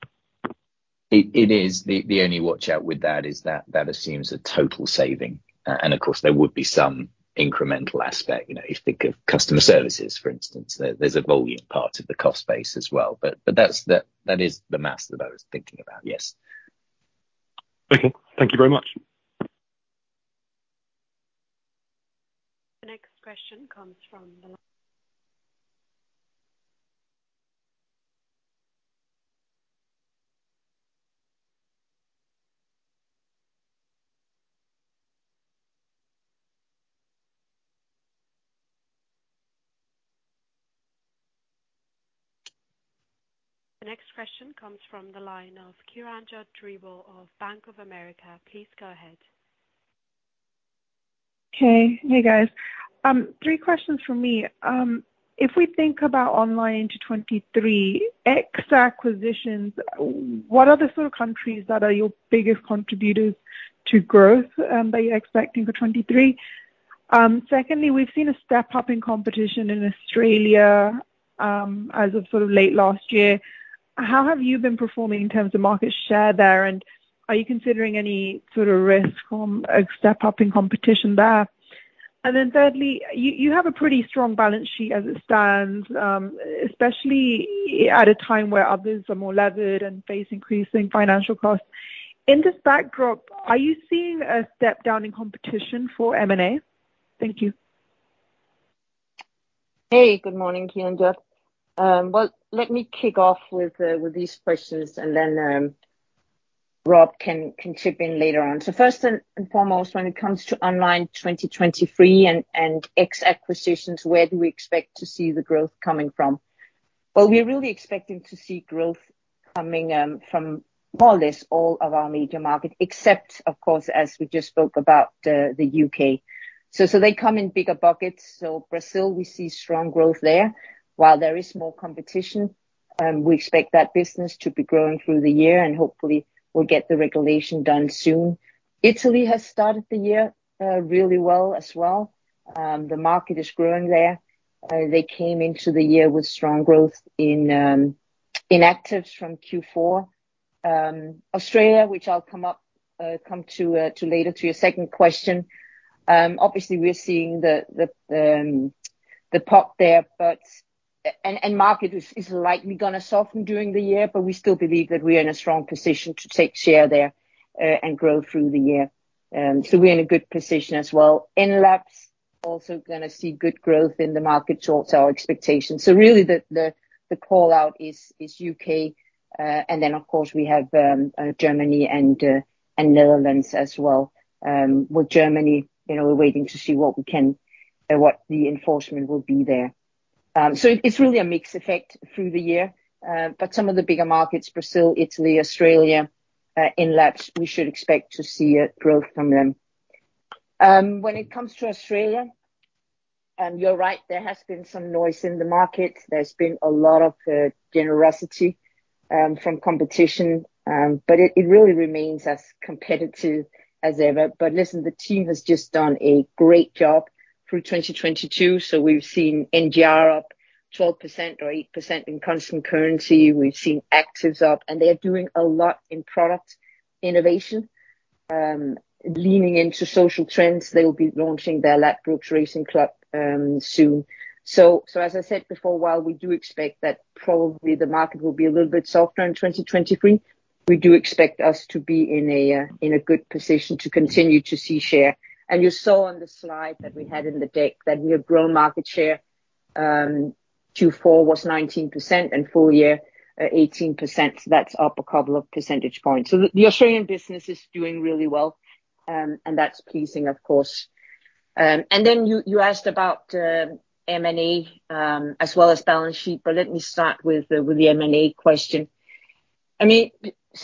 It is. The only watch-out with that is that assumes a total saving. Of course, there would be some incremental aspect. You know, if you think of customer services, for instance, there's a volume part of the cost base as well. That is the math that I was thinking about, yes. Okay. Thank you very much. The next question comes from the line of Kiranjot Grewal of Bank of America. Please go ahead. Okay. Hey, guys. 3 questions from me. If we think about online into 23, ex acquisitions, what are the sort of countries that are your biggest contributors to growth, that you're expecting for 23? Secondly, we've seen a step-up in competition in Australia, as of sort of late last year. How have you been performing in terms of market share there, and are you considering any sort of risk from a step-up in competition there? Thirdly, you have a pretty strong balance sheet as it stands, especially at a time where others are more levered and face increasing financial costs. In this backdrop, are you seeing a step down in competition for M&A? Thank you. Hey, good morning, Keeranja. Well, let me kick off with these questions, and then Rob can chip in later on. First and foremost, when it comes to online 2023 and ex acquisitions, where do we expect to see the growth coming from? Well, we're really expecting to see growth coming from more or less all of our major markets, except of course, as we just spoke about, the U.K. They come in bigger buckets. Brazil, we see strong growth there. While there is more competition, we expect that business to be growing through the year, and hopefully we'll get the regulation done soon. Italy has started the year really well as well. The market is growing there. They came into the year with strong growth in actives from Q4. Australia, which I'll come to later to your second question. Obviously we're seeing the pop there. Market is likely gonna soften during the year, but we still believe that we are in a strong position to take share there, and grow through the year. We're in a good position as well. In LatAm, also gonna see good growth in the market, so it's our expectation. Really the call-out is U.K, and then of course we have Germany and Netherlands as well. With Germany, you know, we're waiting to see what we can, what the enforcement will be there. It's really a mixed effect through the year, but some of the bigger markets, Brazil, Italy, Australia, in LatAm, we should expect to see a growth from them. When it comes to Australia, you're right, there has been some noise in the market. There's been a lot of generosity from competition, it really remains as competitive as ever. Listen, the team has just done a great job through 2022, we've seen NGR up 12% or 8% in constant currency. We've seen actives up, they are doing a lot in product innovation, leaning into social trends. They will be launching their Ladbrokes Racing Club soon. As I said before, while we do expect that probably the market will be a little bit softer in 2023, we do expect us to be in a good position to continue to see share. You saw on the slide that we had in the deck that we have grown market share, Q4 was 19% and full year, 18%. That's up a couple of percentage points. The Australian business is doing really well, and that's pleasing, of course. You asked about M&A as well as balance sheet, let me start with the M&A question. I mean...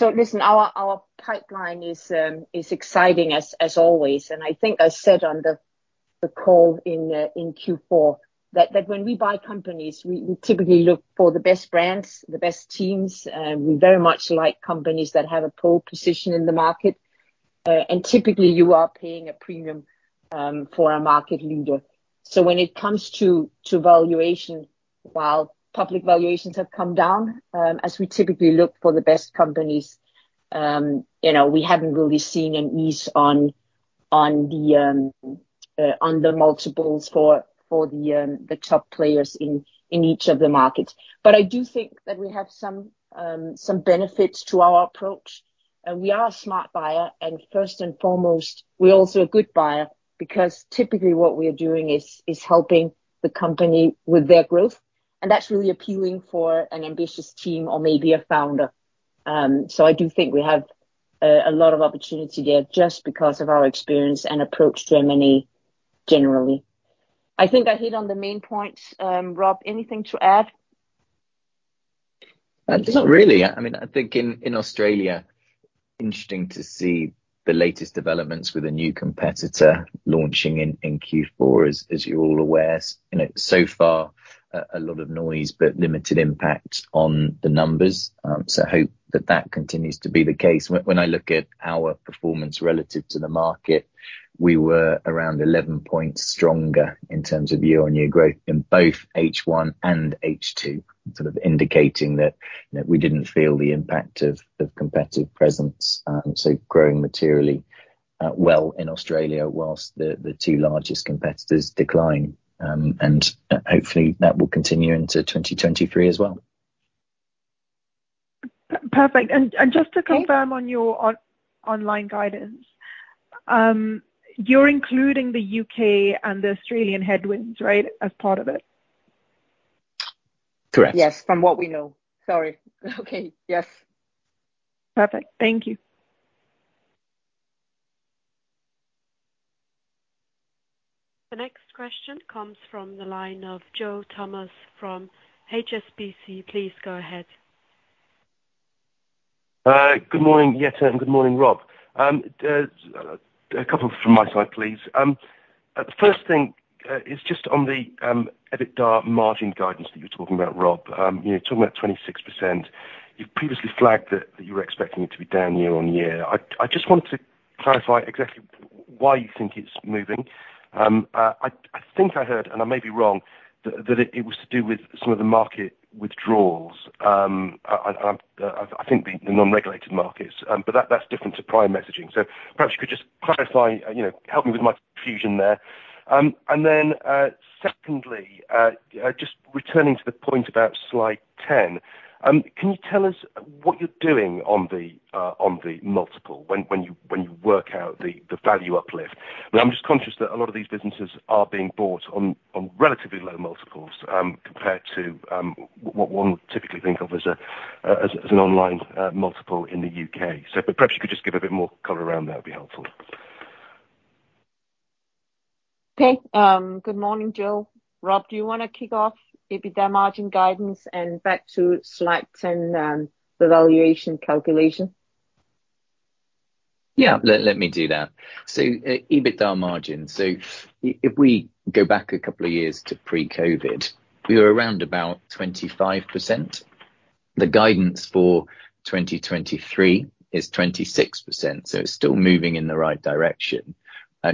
Listen, our pipeline is exciting as always, and I think I said on the call in Q4 that when we buy companies, we typically look for the best brands, the best teams. We very much like companies that have a pole position in the market. Typically you are paying a premium for a market leader. When it comes to valuation, while public valuations have come down, as we typically look for the best companies, you know, we haven't really seen an ease on the multiples for the top players in each of the markets. I do think that we have some benefits to our approach. We are a smart buyer and first and foremost, we're also a good buyer because typically what we are doing is helping the company with their growth, and that's really appealing for an ambitious team or maybe a founder. I do think we have a lot of opportunity there just because of our experience and approach to M&A generally. I think I hit on the main points. Rob, anything to add? Not really. I mean, I think in Australia, interesting to see the latest developments with a new competitor launching in Q4, as you're all aware. You know, so far, a lot of noise but limited impact on the numbers. Hope that that continues to be the case. I look at our performance relative to the market, we were around 11 points stronger in terms of year-on-year growth in both H1 and H2, sort of indicating that, you know, we didn't feel the impact of competitive presence. Growing materially well in Australia whilst the 2 largest competitors decline. Hopefully that will continue into 2023 as well. Perfect. Just to confirm on your online guidance, you're including the U.K. and the Australian headwinds, right, as part of it? Correct. Yes, from what we know. Sorry. Okay. Yes. Perfect. Thank you. The next question comes from the line of Joe Thomas from HSBC. Please go ahead. Good morning, Jette, and good morning, Rob. A couple from my side, please. The first thing is just on the EBITDA margin guidance that you were talking about, Rob. You know, you're talking about 26%. You've previously flagged that you were expecting it to be down year-over-year. I just wanted to clarify exactly why you think it's moving. I think I heard, and I may be wrong, that it was to do with some of the market withdrawals, and I think the non-regulated markets, but that's different to prior messaging. Perhaps you could just clarify and, you know, help me with my confusion there. Secondly, just returning to the point about slide 10, can you tell us what you're doing on the multiple when you work out the value uplift? I'm just conscious that a lot of these businesses are being bought on relatively low multiples compared to what one would typically think of as an online multiple in the U.K. Perhaps you could just give a bit more color around that would be helpful. Okay. Good morning, Joe. Rob, do you wanna kick off EBITDA margin guidance and back to slide 10, the valuation calculation? Yeah. Let me do that. EBITDA margin. If we go back a couple of years to pre-COVID, we were around about 25%. The guidance for 2023 is 26%, so it's still moving in the right direction.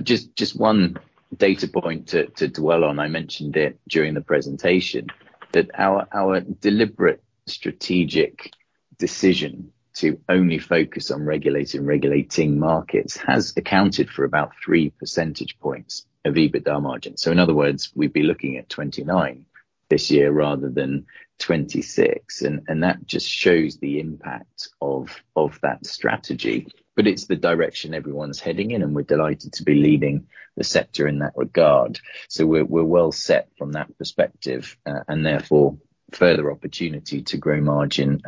Just one data point to dwell on, I mentioned it during the presentation, that our deliberate strategic decision to only focus on regulating markets has accounted for about 3 percentage points of EBITDA margin. In other words, we'd be looking at 29 this year rather than 26, and that just shows the impact of that strategy. It's the direction everyone's heading in, and we're delighted to be leading the sector in that regard. We're well set from that perspective, and therefore, further opportunity to grow margin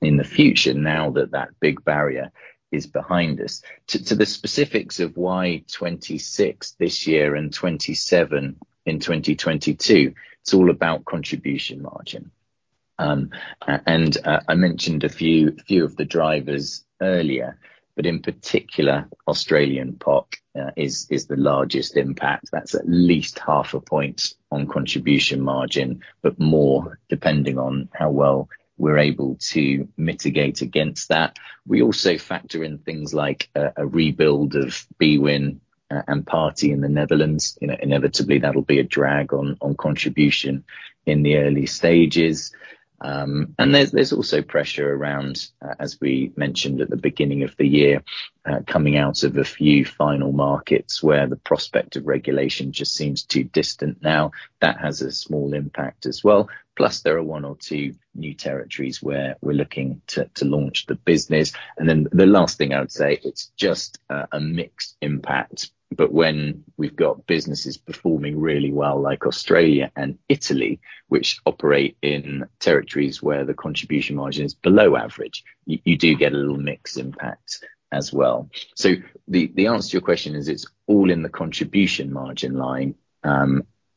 in the future now that that big barrier is behind us. To the specifics of why 26 this year and 27 in 2022, it's all about contribution margin. And I mentioned a few of the drivers earlier, but in particular, Australian POC is the largest impact. That's at least half a point on contribution margin, but more depending on how well we're able to mitigate against that. We also factor in things like a rebuild of bwin and Party in the Netherlands. You know, inevitably that'll be a drag on contribution in the early stages. There's also pressure around, as we mentioned at the beginning of the year, coming out of a few final markets where the prospect of regulation just seems too distant now. That has a small impact as well. Plus, there are one or 2 new territories where we're looking to launch the business. The last thing I would say, it's just a mixed impact. When we've got businesses performing really well, like Australia and Italy, which operate in territories where the contribution margin is below average, you do get a little mixed impact as well. The answer to your question is it's all in the contribution margin line,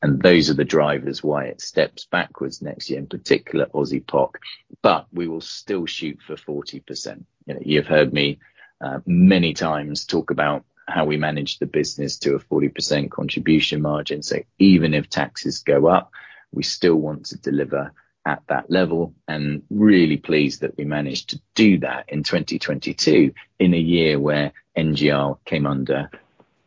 and those are the drivers why it steps backwards next year, in particular Aussie POC, but we will still shoot for 40%. You know, you've heard me many times talk about how we manage the business to a 40% contribution margin. Even if taxes go up, we still want to deliver at that level, and really pleased that we managed to do that in 2022 in a year where NGR came under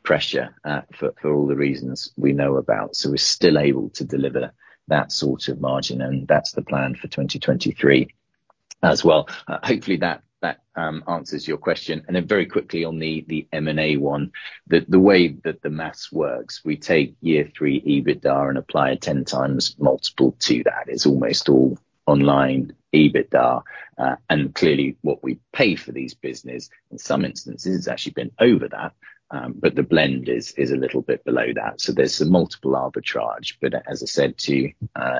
pressure, for all the reasons we know about. We're still able to deliver that sort of margin, and that's the plan for 2023 as well. Hopefully that answers your question. Then very quickly on the M&A one, the way that the math works, we take year 3 EBITDA and apply a 10 times multiple to that. It's almost all online EBITDA. Clearly what we pay for these business in some instances has actually been over that, but the blend is a little bit below that. There's some multiple arbitrage. As I said to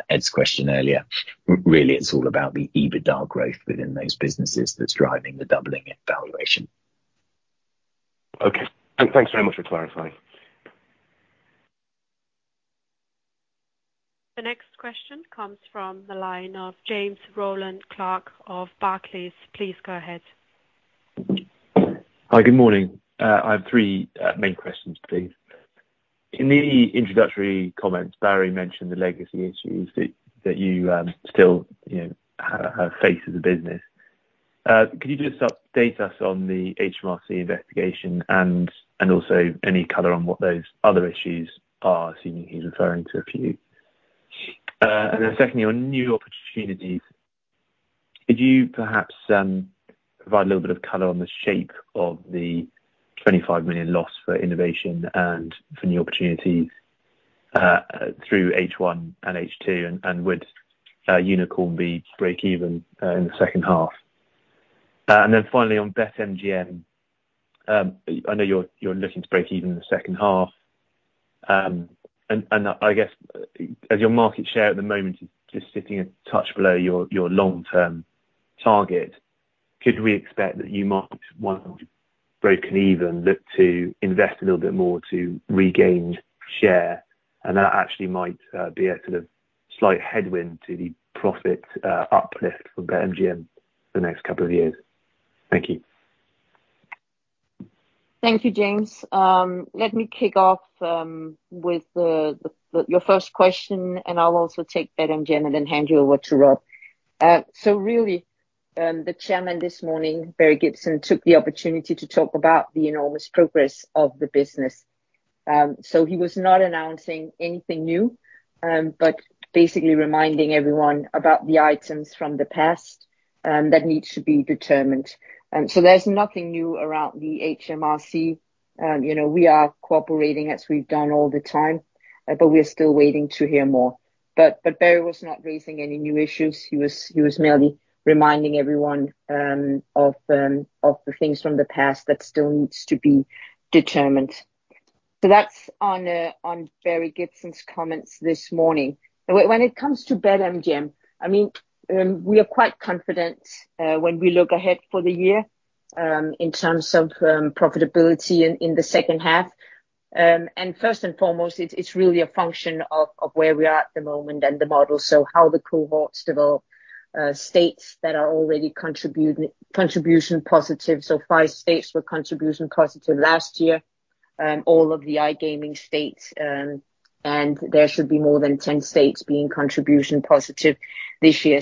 Ed's question earlier, really it's all about the EBITDA growth within those businesses that's driving the doubling in valuation. Okay. Thanks very much for clarifying. The next question comes from the line of James Rowland-Clark of Barclays. Please go ahead. Hi, good morning. I have 3 main questions, please. In the introductory comments, Barry mentioned the legacy issues that you know, have faced as a business. Could you just update us on the HMRC investigation and also any color on what those other issues are, seeing that he's referring to a few? Secondly, on new opportunities, could you perhaps provide a little bit of color on the shape of the 25 million loss for innovation and for new opportunities through H1 and H2, and would Unikrn be break even in the H2? Finally on BetMGM, I know you're looking to break even in the H2. I guess, as your market share at the moment is just sitting a touch below your long-term target, could we expect that you might, once broken even, look to invest a little bit more to regain share? That actually might be a sort of slight headwind to the profit uplift for BetMGM the next couple of years. Thank you. Thank you, James. Let me kick off with the, your first question. I'll also take BetMGM and then hand you over to Rob. Really, the Chairman this morning, Barry Gibson, took the opportunity to talk about the enormous progress of the business. He was not announcing anything new, basically reminding everyone about the items from the past that need to be determined. There's nothing new around the HMRC. You know, we are cooperating as we've done all the time. We're still waiting to hear more. Barry was not raising any new issues. He was merely reminding everyone of the things from the past that still needs to be determined. That's on Barry Gibson's comments this morning. When it comes to BetMGM, I mean, we are quite confident, when we look ahead for the year, in terms of profitability in the H2. First and foremost, it's really a function of where we are at the moment and the model, so how the cohorts develop, states that are already contribution positive. 5 states were contribution positive last year. All of the iGaming states, there should be more than 10 states being contribution positive this year.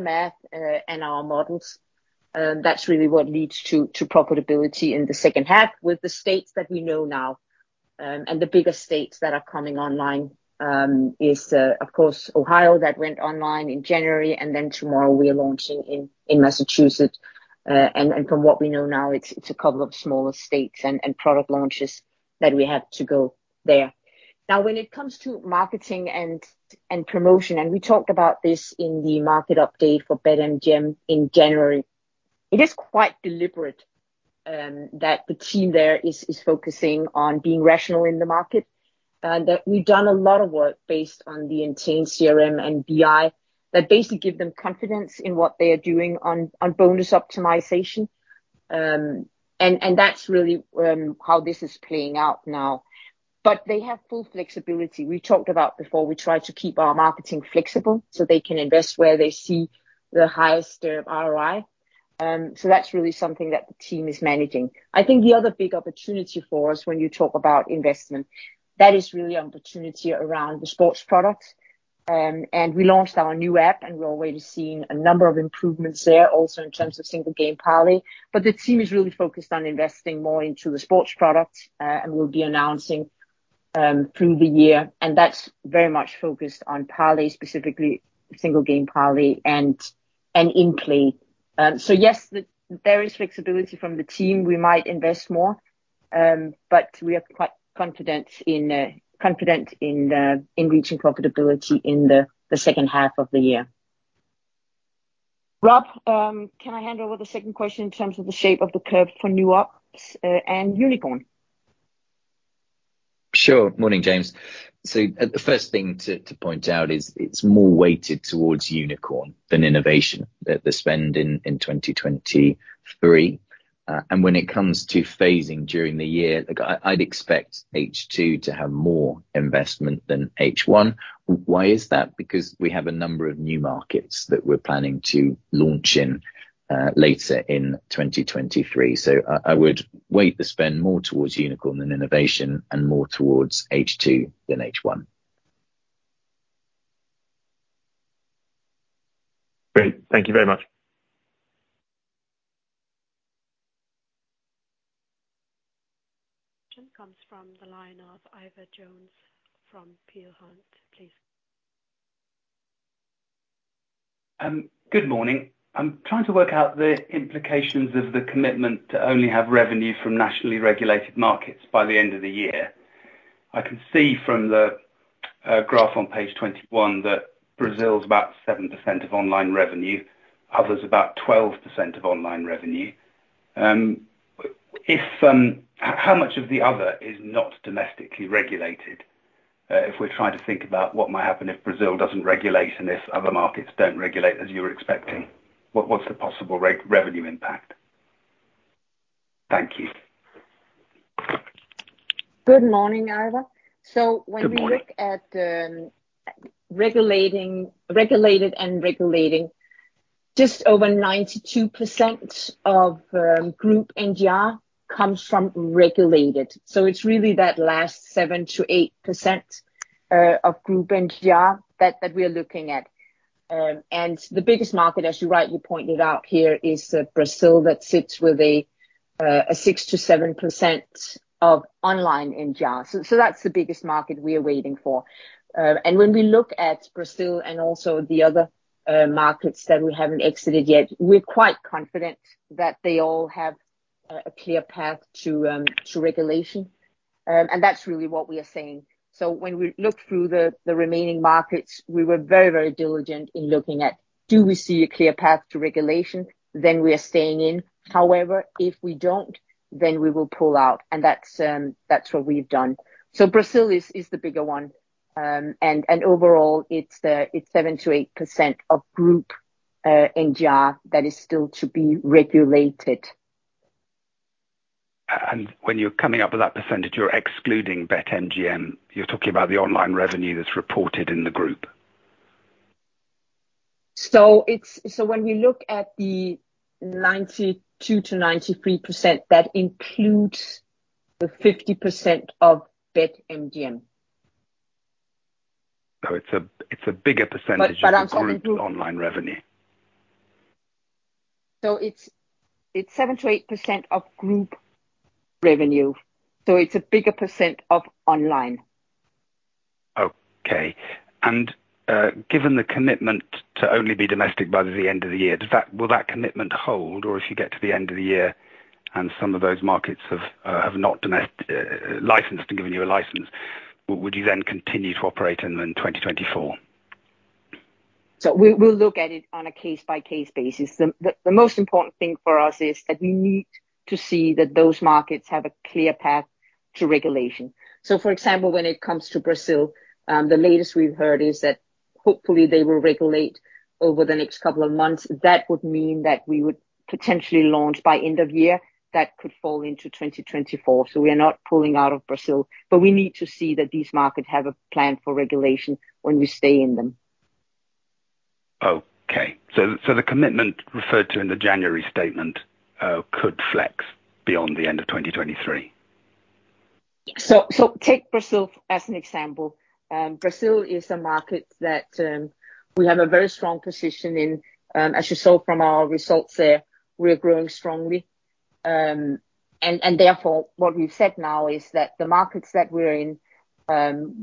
math and our models, that's really what leads to profitability in the H2 with the states that we know now, and the bigger states that are coming online, is, of course, Ohio that went online in January, and tomorrow we are launching in Massachusetts. From what we know now, it's a couple of smaller states and product launches that we have to go there. When it comes to marketing and promotion, we talked about this in the market update for BetMGM in January. It is quite deliberate that the team there is focusing on being rational in the market that we've done a lot of work based on the enhanced CRM and BI that basically give them confidence in what they are doing on bonus optimization. That's really how this is playing out now. They have full flexibility. We talked about before, we try to keep our marketing flexible so they can invest where they see the highest ROI. That's really something that the team is managing. I think the other big opportunity for us when you talk about investment, that is really opportunity around the sports product. We launched our new app, and we're already seeing a number of improvements there also in terms of single game parlay. The team is really focused on investing more into the sports product, and we'll be announcing through the year, and that's very much focused on parlay, specifically single game parlay and in play. Yes, there is flexibility from the team. We might invest more, we are quite confident in reaching profitability in the H2 of the year. Rob, can I hand over the second question in terms of the shape of the curve for new ops and Unikrn? Sure. Morning, James. The first thing to point out is it's more weighted towards Unikrn than innovation, the spend in 2023. When it comes to phasing during the year, look, I'd expect H 2 to have more investment than H one. Why is that? Because we have a number of new markets that we're planning to launch in later in 2023. I would weight the spend more towards Unikrn than innovation and more towards H 2 than H one. Great. Thank you very much. Question comes from the line of Ivor Jones from Peel Hunt, please. Good morning. I'm trying to work out the implications of the commitment to only have revenue from nationally regulated markets by the end of the year. I can see from the graph on page 21 that Brazil is about 7% of online revenue, others about 12% of online revenue. How much of the other is not domestically regulated, if we're trying to think about what might happen if Brazil doesn't regulate and if other markets don't regulate as you're expecting, what's the possible re-revenue impact? Thank you. Good morning, Ira. When you look at regulated and regulating, just over 92% of group NGR comes from regulated. It's really that last 7% to 8% of group NGR that we are looking at. The biggest market as you pointed out here is Brazil that sits with a 6% to 7% of online NGR. That's the biggest market we are waiting for. When we look at Brazil and also the other markets that we haven't exited yet, we're quite confident that they all have a clear path to regulation. That's really what we are seeing. When we look through the remaining markets, we were very diligent in looking at, do we see a clear path to regulation? We are staying in. However, if we don't, then we will pull out and that's what we've done. Brazil is the bigger one. And overall it's 7% to 8% of group NGR that is still to be regulated. When you're coming up with that %, you're excluding BetMGM. You're talking about the online revenue that's reported in the group. When we look at the 92% to 93%, that includes the 50% of BetMGM. It's a bigger percentage- I'm talking. Of current online revenue. It's 7% to 8% of group revenue. It's a bigger % of online. Okay. Given the commitment to only be domestic by the end of the year, will that commitment hold or if you get to the end of the year and some of those markets have not licensed and given you a license, would you then continue to operate in them in 2024? We'll look at it on a case by case basis. The most important thing for us is that we need to see that those markets have a clear path to regulation. For example, when it comes to Brazil, the latest we've heard is that hopefully they will regulate over the next couple of months. That would mean that we would potentially launch by end of year. That could fall into 2024. We are not pulling out of Brazil, but we need to see that these markets have a plan for regulation when we stay in them. Okay. The commitment referred to in the January statement, could flex beyond the end of 2023? Take Brazil as an example. Brazil is a market that we have a very strong position in. As you saw from our results there, we are growing strongly. Therefore what we've said now is that the markets that we're in,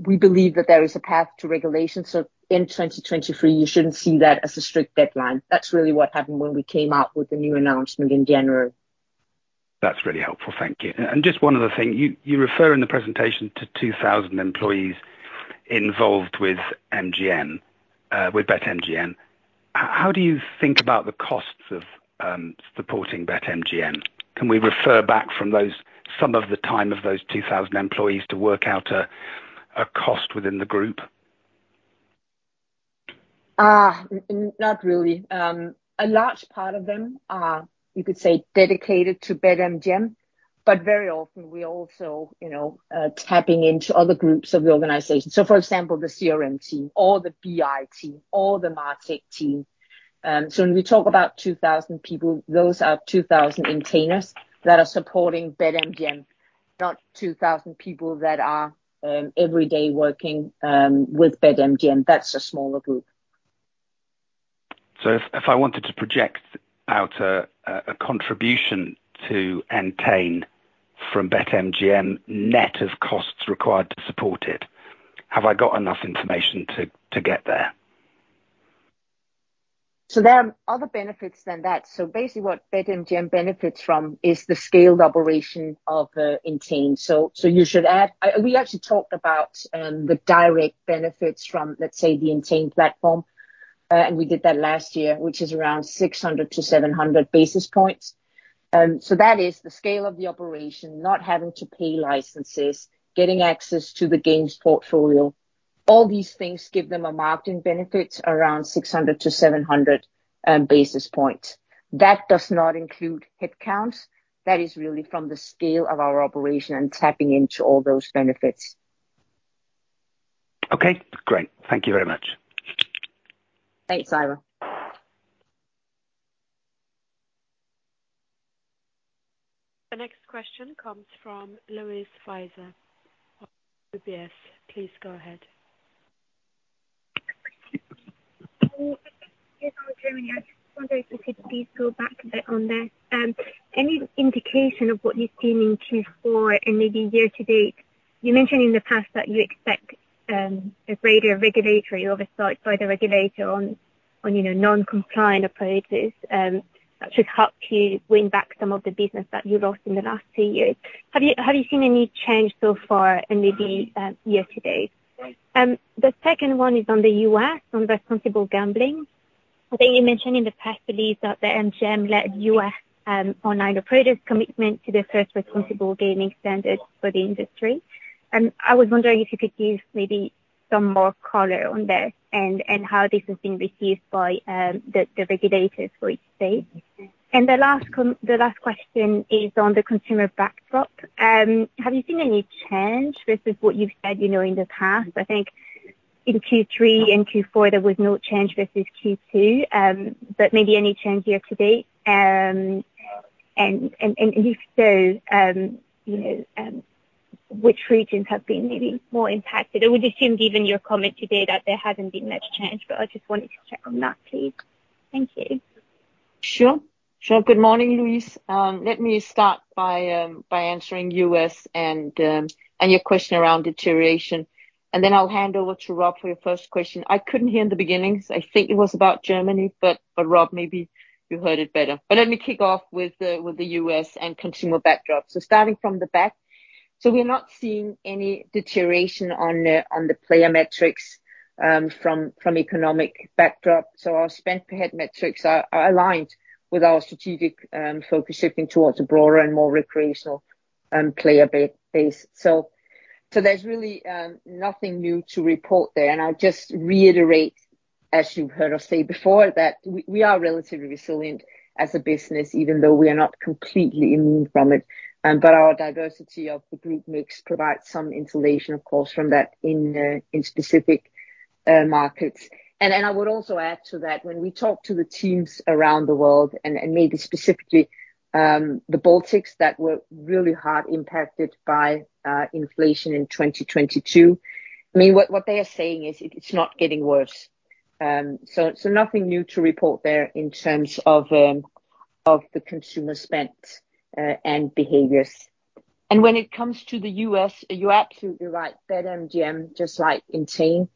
we believe that there is a path to regulation. In 2023 you shouldn't see that as a strict deadline. That's really what happened when we came out with the new announcement in January. That's really helpful, thank you. Just one other thing. You refer in the presentation to 2,000 employees involved with MGM, with BetMGM. How do you think about the costs of supporting BetMGM? Can we refer back from those some of the time of those 2,000 employees to work out a cost within the group? Not really. A large part of them are, you could say, dedicated to BetMGM, very often we're also, you know, tapping into other groups of the organization. For example, the CRM team or the BI team or the MarTech team. When we talk about 2,000 people, those are 2,000 Entainers that are supporting BetMGM, not 2,000 people that are every day working with BetMGM. That's a smaller group. If I wanted to project out a contribution to Entain from BetMGM, net of costs required to support it, have I got enough information to get there? There are other benefits than that. Basically what BetMGM benefits from is the scaled operation of Entain. We actually talked about the direct benefits from, let's say, the Entain platform. We did that last year, which is around 600 to 700 basis points. That is the scale of the operation, not having to pay licenses, getting access to the games portfolio. All these things give them a marketing benefit around 600 to 700 basis points. That does not include headcounts. That is really from the scale of our operation and tapping into all those benefits. Okay, great. Thank you very much. Thanks, Ivor. The next question comes from Louise Wiseur of UBS. Please go ahead. Just on Germany, I just wonder if you could please go back a bit on that. Any indication of what you've seen in Q4 and maybe year to date? You mentioned in the past that you expect a greater regulatory oversight by the regulator on, you know, non-compliant approaches, that should help you win back some of the business that you lost in the last 2 years. Have you seen any change so far and maybe year to date? The second one is on the U.S, on responsible gambling. I think you mentioned in the past belief that the MGM-led U.S. online operators commitment to the first responsible gaming standard for the industry. And I was wondering if you could give maybe some more color on this and how this has been received by the regulators for each state. The last question is on the consumer backdrop. Have you seen any change versus what you've said, you know, in the past? I think in Q3 and Q4, there was no change versus Q2. But maybe any change here to date. If so, you know, which regions have been maybe more impacted? I would assume, given your comment today that there hasn't been much change, but I just wanted to check on that, please. Thank you. Sure. Sure. Good morning, Louise. Let me start by by answering U.S. and your question around deterioration, and then I'll hand over to Rob for your first question. I couldn't hear in the beginning. I think it was about Germany, but Rob, maybe you heard it better. Let me kick off with the, with the U.S. and consumer backdrop. Starting from the back. We're not seeing any deterioration on the, on the player metrics from economic backdrop. Our spend per head metrics are aligned with our strategic focus shifting towards a broader and more recreational player base. There's really nothing new to report there. I just reiterate, as you've heard us say before, that we are relatively resilient as a business, even though we are not completely immune from it. But our diversity of the group mix provides some insulation, of course, from that in specific markets. I would also add to that when we talk to the teams around the world and maybe specifically the Baltics that were really hard impacted by inflation in 2022. I mean, what they are saying is it's not getting worse. Nothing new to report there in terms of the consumer spend and behaviors. When it comes to the U.S, you're absolutely right. BetMGM, just like Entain,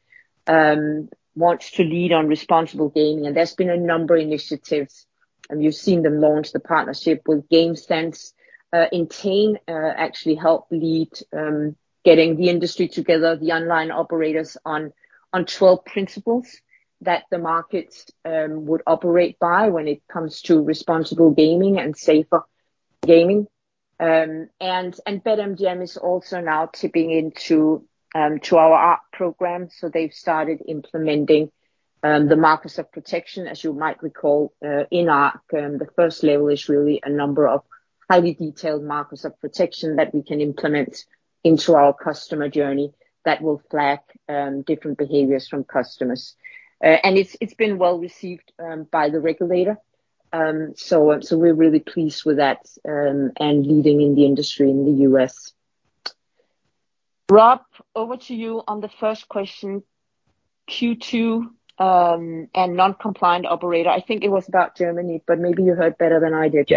wants to lead on responsible gaming, and there's been a number of initiatives, and you've seen them launch the partnership with GameSense. Entain actually helped lead getting the industry together, the online operators on 12 principles that the markets would operate by when it comes to responsible gaming and safer gaming. BetMGM is also now tipping into to our ARC™ program, so they've started implementing the markers of protection. As you might recall, in ARC™, the first level is really a number of highly detailed markers of protection that we can implement into our customer journey that will flag different behaviors from customers. It's been well-received by the regulator. We're really pleased with that and leading in the industry in the U.S. Rob, over to you on the first question. Q2, non-compliant operator. I think it was about Germany, but maybe you heard better than I did.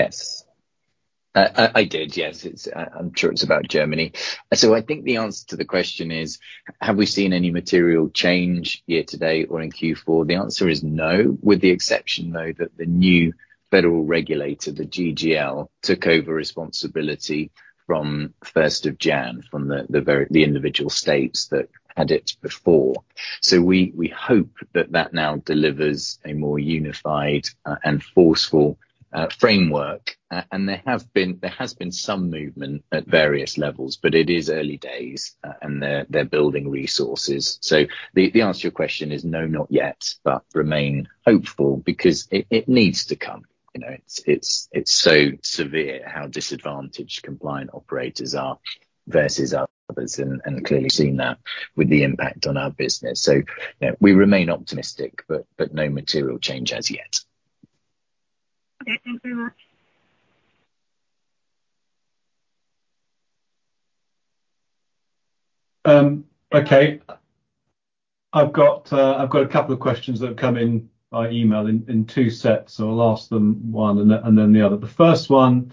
Yes. I did. Yes, it's, I'm sure it's about Germany. I think the answer to the question is, have we seen any material change year to date or in Q4? The answer is no. With the exception, though, that the new federal regulator, the GGL, took over responsibility from 1st of January, from the individual states that had it before. We hope that that now delivers a more unified and forceful framework. There has been some movement at various levels, but it is early days, and they're building resources. The answer to your question is no, not yet, but remain hopeful because it needs to come. You know, it's so severe how disadvantaged compliant operators are versus others and, clearly seen that with the impact on our business. You know, we remain optimistic, but no material change as yet. Okay. Thank you very much. Okay. I've got a couple of questions that have come in by email in 2 sets, so I'll ask them one and then the other. The first one,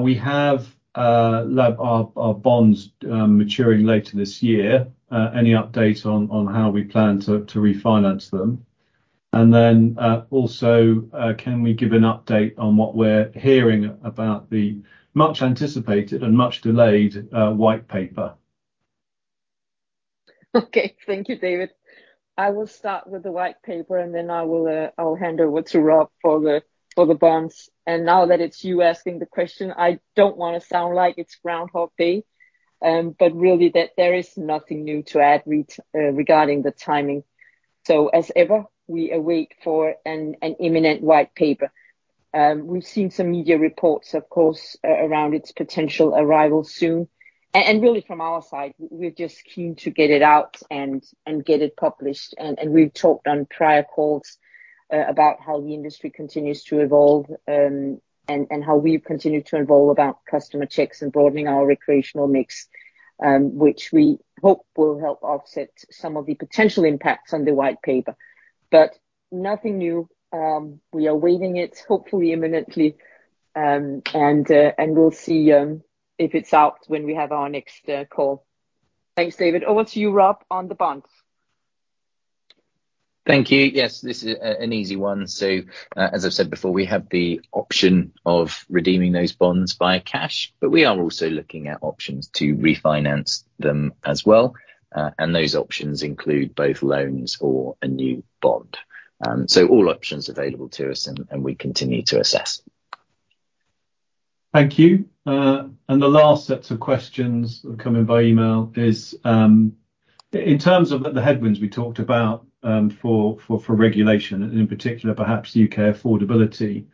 we have our bonds maturing later this year. Any update on how we plan to refinance them? Also, can we give an update on what we're hearing about the much anticipated and much delayed white paper? Okay. Thank you, David. I will start with the white paper, and then I'll hand over to Rob for the bonds. Now that it's you asking the question, I don't wanna sound like it's Groundhog Day, but really that there is nothing new to add regarding the timing. As ever, we await for an imminent white paper. We've seen some media reports, of course, around its potential arrival soon. Really from our side, we're just keen to get it out and get it published. We've talked on prior calls about how the industry continues to evolve, and how we continue to evolve about customer checks and broadening our recreational mix, which we hope will help offset some of the potential impacts on the white paper. Nothing new. We are awaiting it, hopefully imminently. We'll see if it's out when we have our next call. Thanks, David. Over to you, Rob, on the bonds. Thank you. Yes, this is an easy one. As I've said before, we have the option of redeeming those bonds via cash, but we are also looking at options to refinance them as well. Those options include both loans or a new bond. All options available to us and we continue to assess. Thank you. The last sets of questions come in by email is, in terms of the headwinds we talked about for regulation, and in particular perhaps U.K. affordability,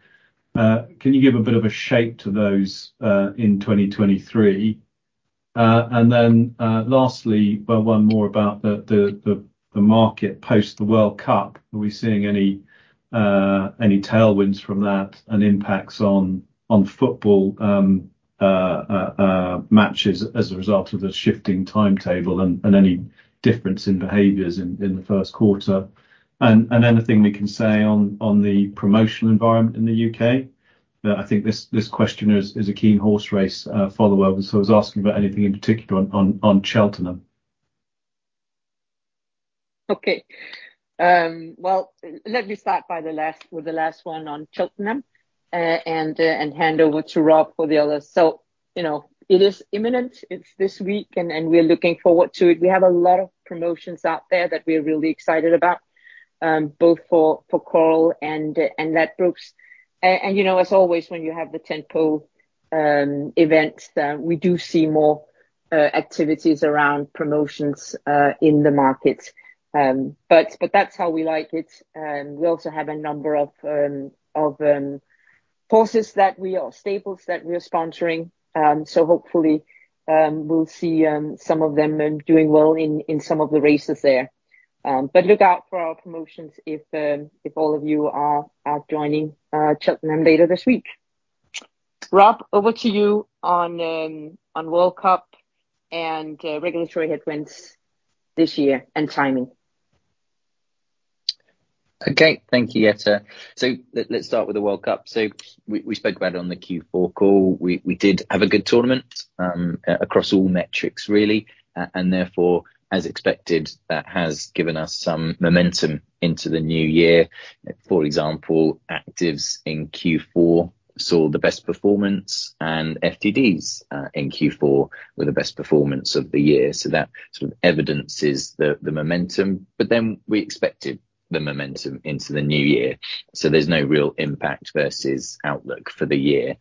can you give a bit of a shape to those in 2023? Then, lastly, well, one more about the market post the World Cup. Are we seeing any tailwinds from that and impacts on football matches as a result of the shifting timetable and any difference in behaviors in the Q1? Anything we can say on the promotional environment in the U.K? I think this questioner is a keen horse race follower, and so I was asking about anything in particular on Cheltenham. Okay. Well, let me start with the last one on Cheltenham and hand over to Rob for the others. You know, it is imminent. It's this week and we're looking forward to it. We have a lot of promotions out there that we're really excited about, both for Coral and Ladbrokes. You know as always, when you have the tentpole events that we do see more activities around promotions in the market. But that's how we like it, and we also have a number of Staples that we are sponsoring. Hopefully, we'll see some of them doing well in some of the races there. Look out for our promotions if all of you are joining, Cheltenham later this week. Rob, over to you on World Cup and, regulatory headwinds this year and timing. Okay. Thank you, Jette. Let's start with the World Cup. We spoke about it on the Q4 call. We did have a good tournament, across all metrics really, and therefore, as expected, that has given us some momentum into the new year. For example, actives in Q4 saw the best performance and FTDs in Q4 were the best performance of the year. That sort of evidences the momentum. We expected the momentum into the new year, so there's no real impact versus outlook for the year.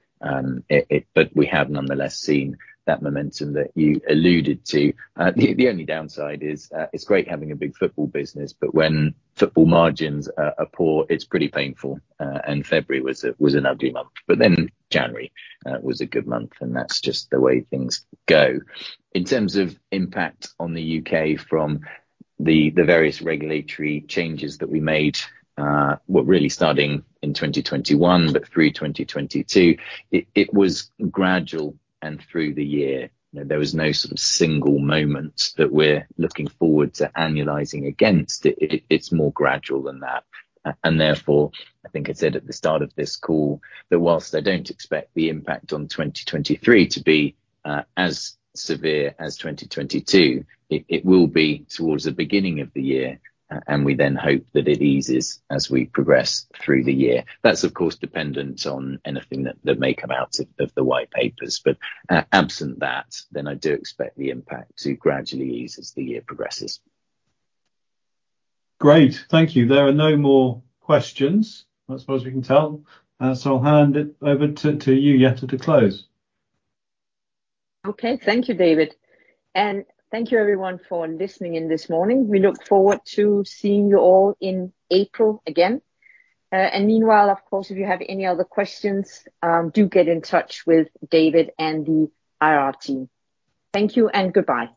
We have nonetheless seen that momentum that you alluded to. The only downside is it's great having a big football business, but when football margins are poor, it's pretty painful. February was an ugly month. January was a good month, and that's just the way things go. In terms of impact on the U.K. from the various regulatory changes that we made, really starting in 2021 but through 2022, it was gradual and through the year. You know, there was no sort of single moment that we're looking forward to annualizing against. It's more gradual than that. Therefore, I think I said at the start of this call that whilst I don't expect the impact on 2023 to be as severe as 2022, it will be towards the beginning of the year, we then hope that it eases as we progress through the year. That's of course dependent on anything that may come out of the white papers. Absent that, I do expect the impact to gradually ease as the year progresses. Great. Thank you. There are no more questions. I suppose we can tell. I'll hand it over to you, Jette, to close. Okay. Thank you, David. Thank you everyone for listening in this morning. We look forward to seeing you all in April again. Meanwhile, of course, if you have any other questions, do get in touch with David and the IR team. Thank you and goodbye.